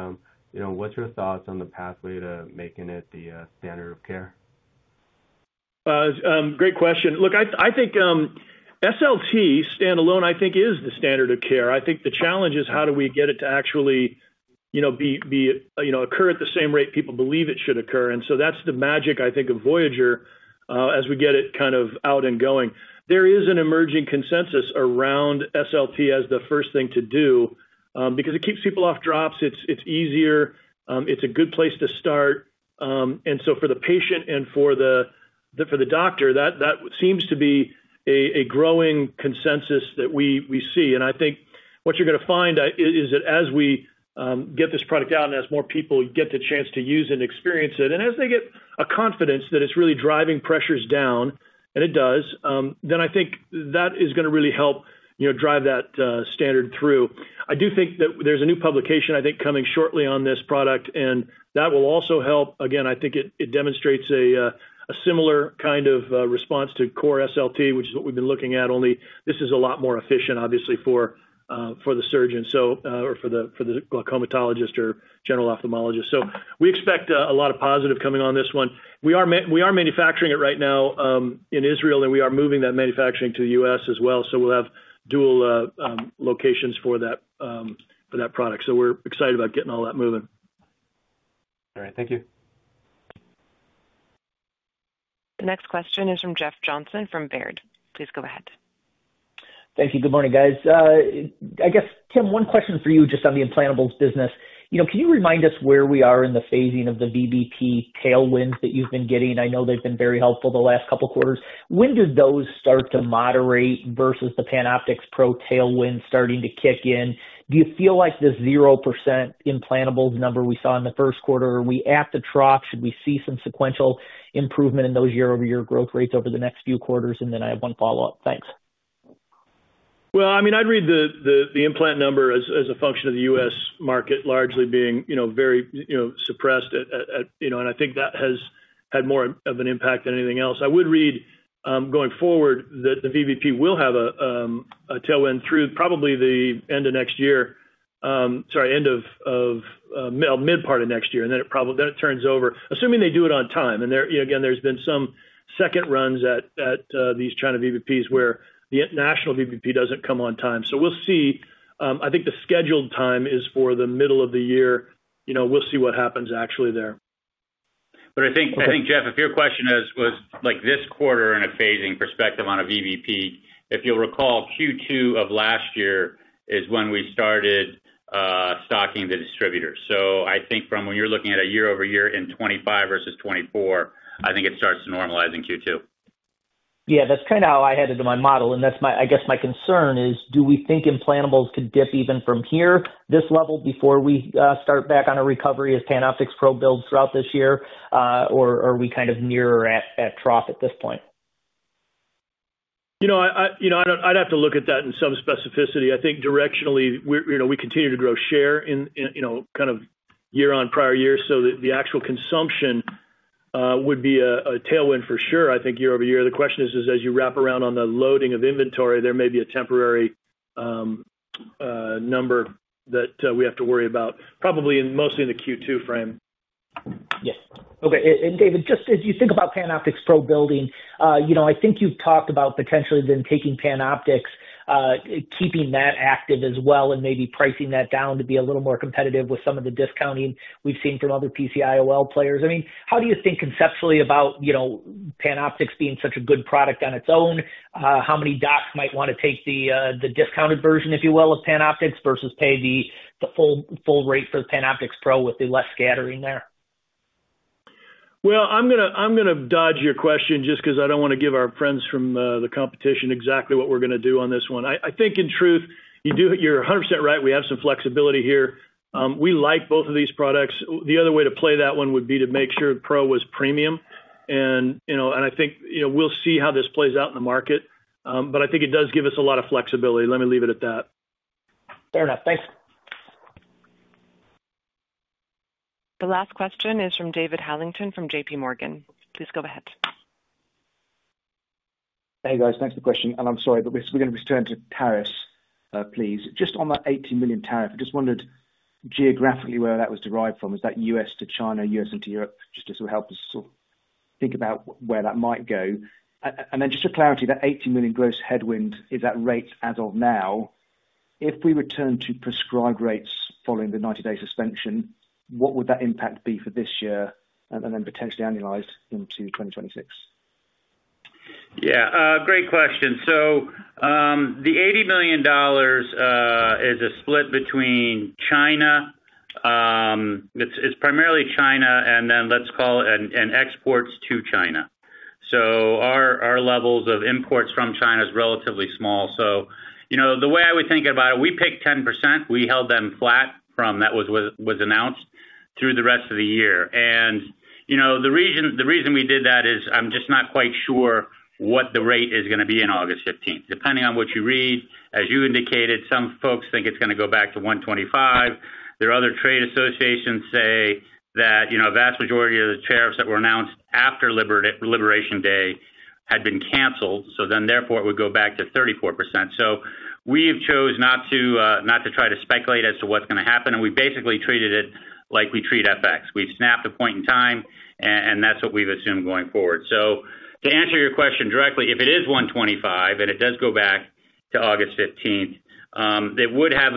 what's your thoughts on the pathway to making it the standard of care? Great question. Look, I think SLT standalone, I think, is the standard of care. I think the challenge is how do we get it to actually occur at the same rate people believe it should occur? That is the magic, I think, of Voyager as we get it kind of out and going. There is an emerging consensus around SLT as the first thing to do because it keeps people off drops. It is easier. It is a good place to start. For the patient and for the doctor, that seems to be a growing consensus that we see. I think what you're going to find is that as we get this product out and as more people get the chance to use and experience it, and as they get a confidence that it's really driving pressures down, and it does, I think that is going to really help drive that standard through. I do think that there's a new publication, I think, coming shortly on this product, and that will also help. Again, I think it demonstrates a similar kind of response to core SLT, which is what we've been looking at. Only this is a lot more efficient, obviously, for the surgeon or for the glaucomatologist or general ophthalmologist. We expect a lot of positive coming on this one. We are manufacturing it right now in Israel, and we are moving that manufacturing to the U.S. as well. We'll have dual locations for that product. We're excited about getting all that moving. All right. Thank you. The next question is from Jeff Johnson from Baird. Please go ahead. Thank you. Good morning, guys. I guess, Tim, one question for you just on the implantables business. Can you remind us where we are in the phasing of the VBP tailwinds that you've been getting? I know they've been very helpful the last couple of quarters. When did those start to moderate versus the PanOptix Pro tailwinds starting to kick in? Do you feel like the 0% implantables number we saw in the first quarter, are we at the trough? Should we see some sequential improvement in those year-over-year growth rates over the next few quarters? I have one follow-up. Thanks. I mean, I'd read the implant number as a function of the U.S. market largely being very suppressed. I think that has had more of an impact than anything else. I would read going forward that the VBP will have a tailwind through probably the end of next year, sorry, end of mid-part of next year, and then it turns over, assuming they do it on time. Again, there's been some second runs at these China VBPs where the national VBP does not come on time. We will see. I think the scheduled time is for the middle of the year. We will see what happens actually there. I think, Jeff, if your question was this quarter in a phasing perspective on a VBP, if you'll recall, Q2 of last year is when we started stocking the distributor. I think from when you're looking at a year-over-year in 2025 versus 2024, I think it starts to normalize in Q2. Yeah. That's kind of how I headed to my model. I guess my concern is, do we think implantables could dip even from here, this level, before we start back on a recovery as PanOptix Pro builds throughout this year? Or are we kind of nearer at trough at this point? I'd have to look at that in some specificity. I think directionally, we continue to grow share kind of year-on prior year. So the actual consumption would be a tailwind for sure, I think, year-over-year. The question is, as you wrap around on the loading of inventory, there may be a temporary number that we have to worry about, probably mostly in the Q2 frame. Yes. Okay. David, just as you think about PanOptix Pro building, I think you've talked about potentially then taking PanOptix, keeping that active as well, and maybe pricing that down to be a little more competitive with some of the discounting we've seen from other PCIOL players. I mean, how do you think conceptually about PanOptix being such a good product on its own? How many docs might want to take the discounted version, if you will, of PanOptix versus pay the full rate for the PanOptix Pro with the less scattering there? I'm going to dodge your question just because I don't want to give our friends from the competition exactly what we're going to do on this one. I think in truth, you're 100% right. We have some flexibility here. We like both of these products. The other way to play that one would be to make sure Pro was premium. I think we'll see how this plays out in the market. I think it does give us a lot of flexibility. Let me leave it at that. Fair enough. Thanks. The last question is from David Adlington from JPMorgan. Please go ahead. Hey, guys. Thanks for the question. I'm sorry, but we're going to return to tariffs, please. Just on that $18 million tariff, I just wondered geographically where that was derived from. Is that U.S. to China, U.S. into Europe? Just to sort of help us sort of think about where that might go. And then just for clarity, that $18 million gross headwind is at rates as of now. If we return to prescribed rates following the 90-day suspension, what would that impact be for this year and then potentially annualized into 2026? Yeah. Great question. So the $18 million is a split between China. It's primarily China, and then let's call it exports to China. Our levels of imports from China is relatively small. The way I would think about it, we picked 10%. We held them flat from that was announced through the rest of the year. The reason we did that is I'm just not quite sure what the rate is going to be in August 15th. Depending on what you read, as you indicated, some folks think it's going to go back to 125. There are other trade associations that say that a vast majority of the tariffs that were announced after Liberation Day had been canceled. Therefore, it would go back to 34%. We have chosen not to try to speculate as to what's going to happen. We basically treated it like we treat FX. We've snapped a point in time, and that's what we've assumed going forward. To answer your question directly, if it is 125 and it does go back to August 15th, it would have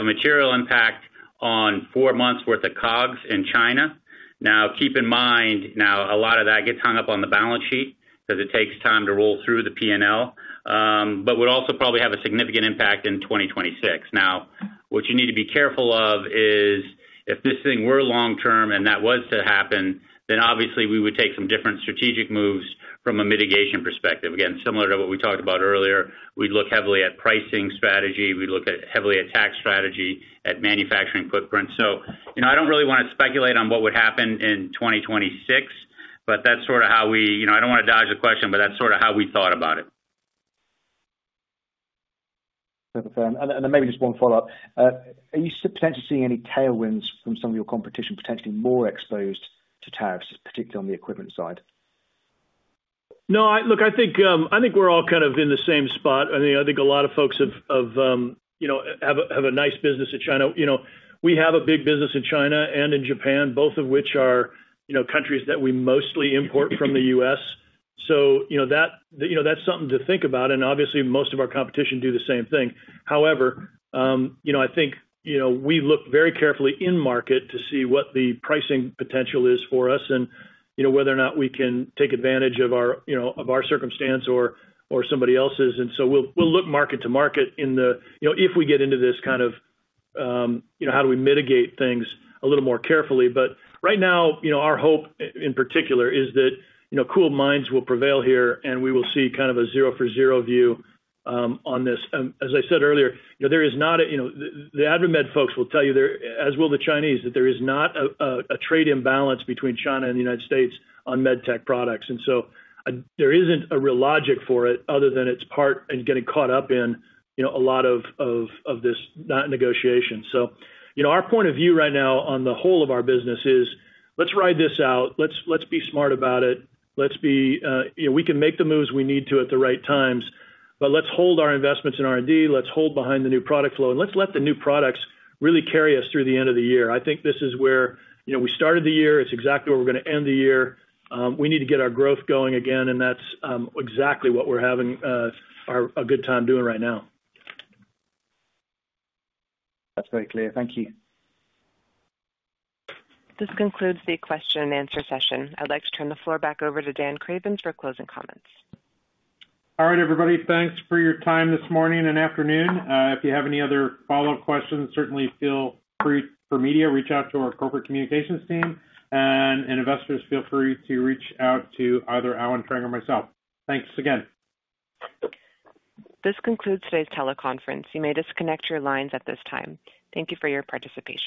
a material impact on four months' worth of COGS in China. Now, keep in mind, a lot of that gets hung up on the balance sheet because it takes time to roll through the P&L, but it would also probably have a significant impact in 2026. What you need to be careful of is if this thing were long-term and that was to happen, then obviously we would take some different strategic moves from a mitigation perspective. Again, similar to what we talked about earlier, we'd look heavily at pricing strategy. We'd look heavily at tax strategy, at manufacturing footprints. I do not really want to speculate on what would happen in 2026, but that is sort of how we, I do not want to dodge the question, but that is sort of how we thought about it. Maybe just one follow-up. Are you potentially seeing any tailwinds from some of your competition potentially more exposed to tariffs, particularly on the equipment side? No. Look, I think we're all kind of in the same spot. I think a lot of folks have a nice business in China. We have a big business in China and in Japan, both of which are countries that we mostly import from the U.S. That is something to think about. Obviously, most of our competition do the same thing. However, I think we look very carefully in market to see what the pricing potential is for us and whether or not we can take advantage of our circumstance or somebody else's. We will look market to market if we get into this kind of how do we mitigate things a little more carefully. Right now, our hope in particular is that cool minds will prevail here, and we will see kind of a zero for zero view on this. As I said earlier, the AdvaMed folks will tell you, as will the Chinese, that there is not a trade imbalance between China and the U.S. on med tech products. There is not a real logic for it other than it's part and getting caught up in a lot of this negotiation. Our point of view right now on the whole of our business is let's ride this out. Let's be smart about it. We can make the moves we need to at the right times, but let's hold our investments in R&D. Let's hold behind the new product flow, and let's let the new products really carry us through the end of the year. I think this is where we started the year. It's exactly where we're going to end the year. We need to get our growth going again, and that's exactly what we're having a good time doing right now. That's very clear. Thank you. This concludes the question and answer session. I'd like to turn the floor back over to Dan Cravens for closing comments. All right, everybody. Thanks for your time this morning and afternoon. If you have any other follow-up questions, certainly feel free for media. Reach out to our corporate communications team. Investors, feel free to reach out to either Alan Frank or myself. Thanks again. This concludes today's teleconference. You may disconnect your lines at this time. Thank you for your participation.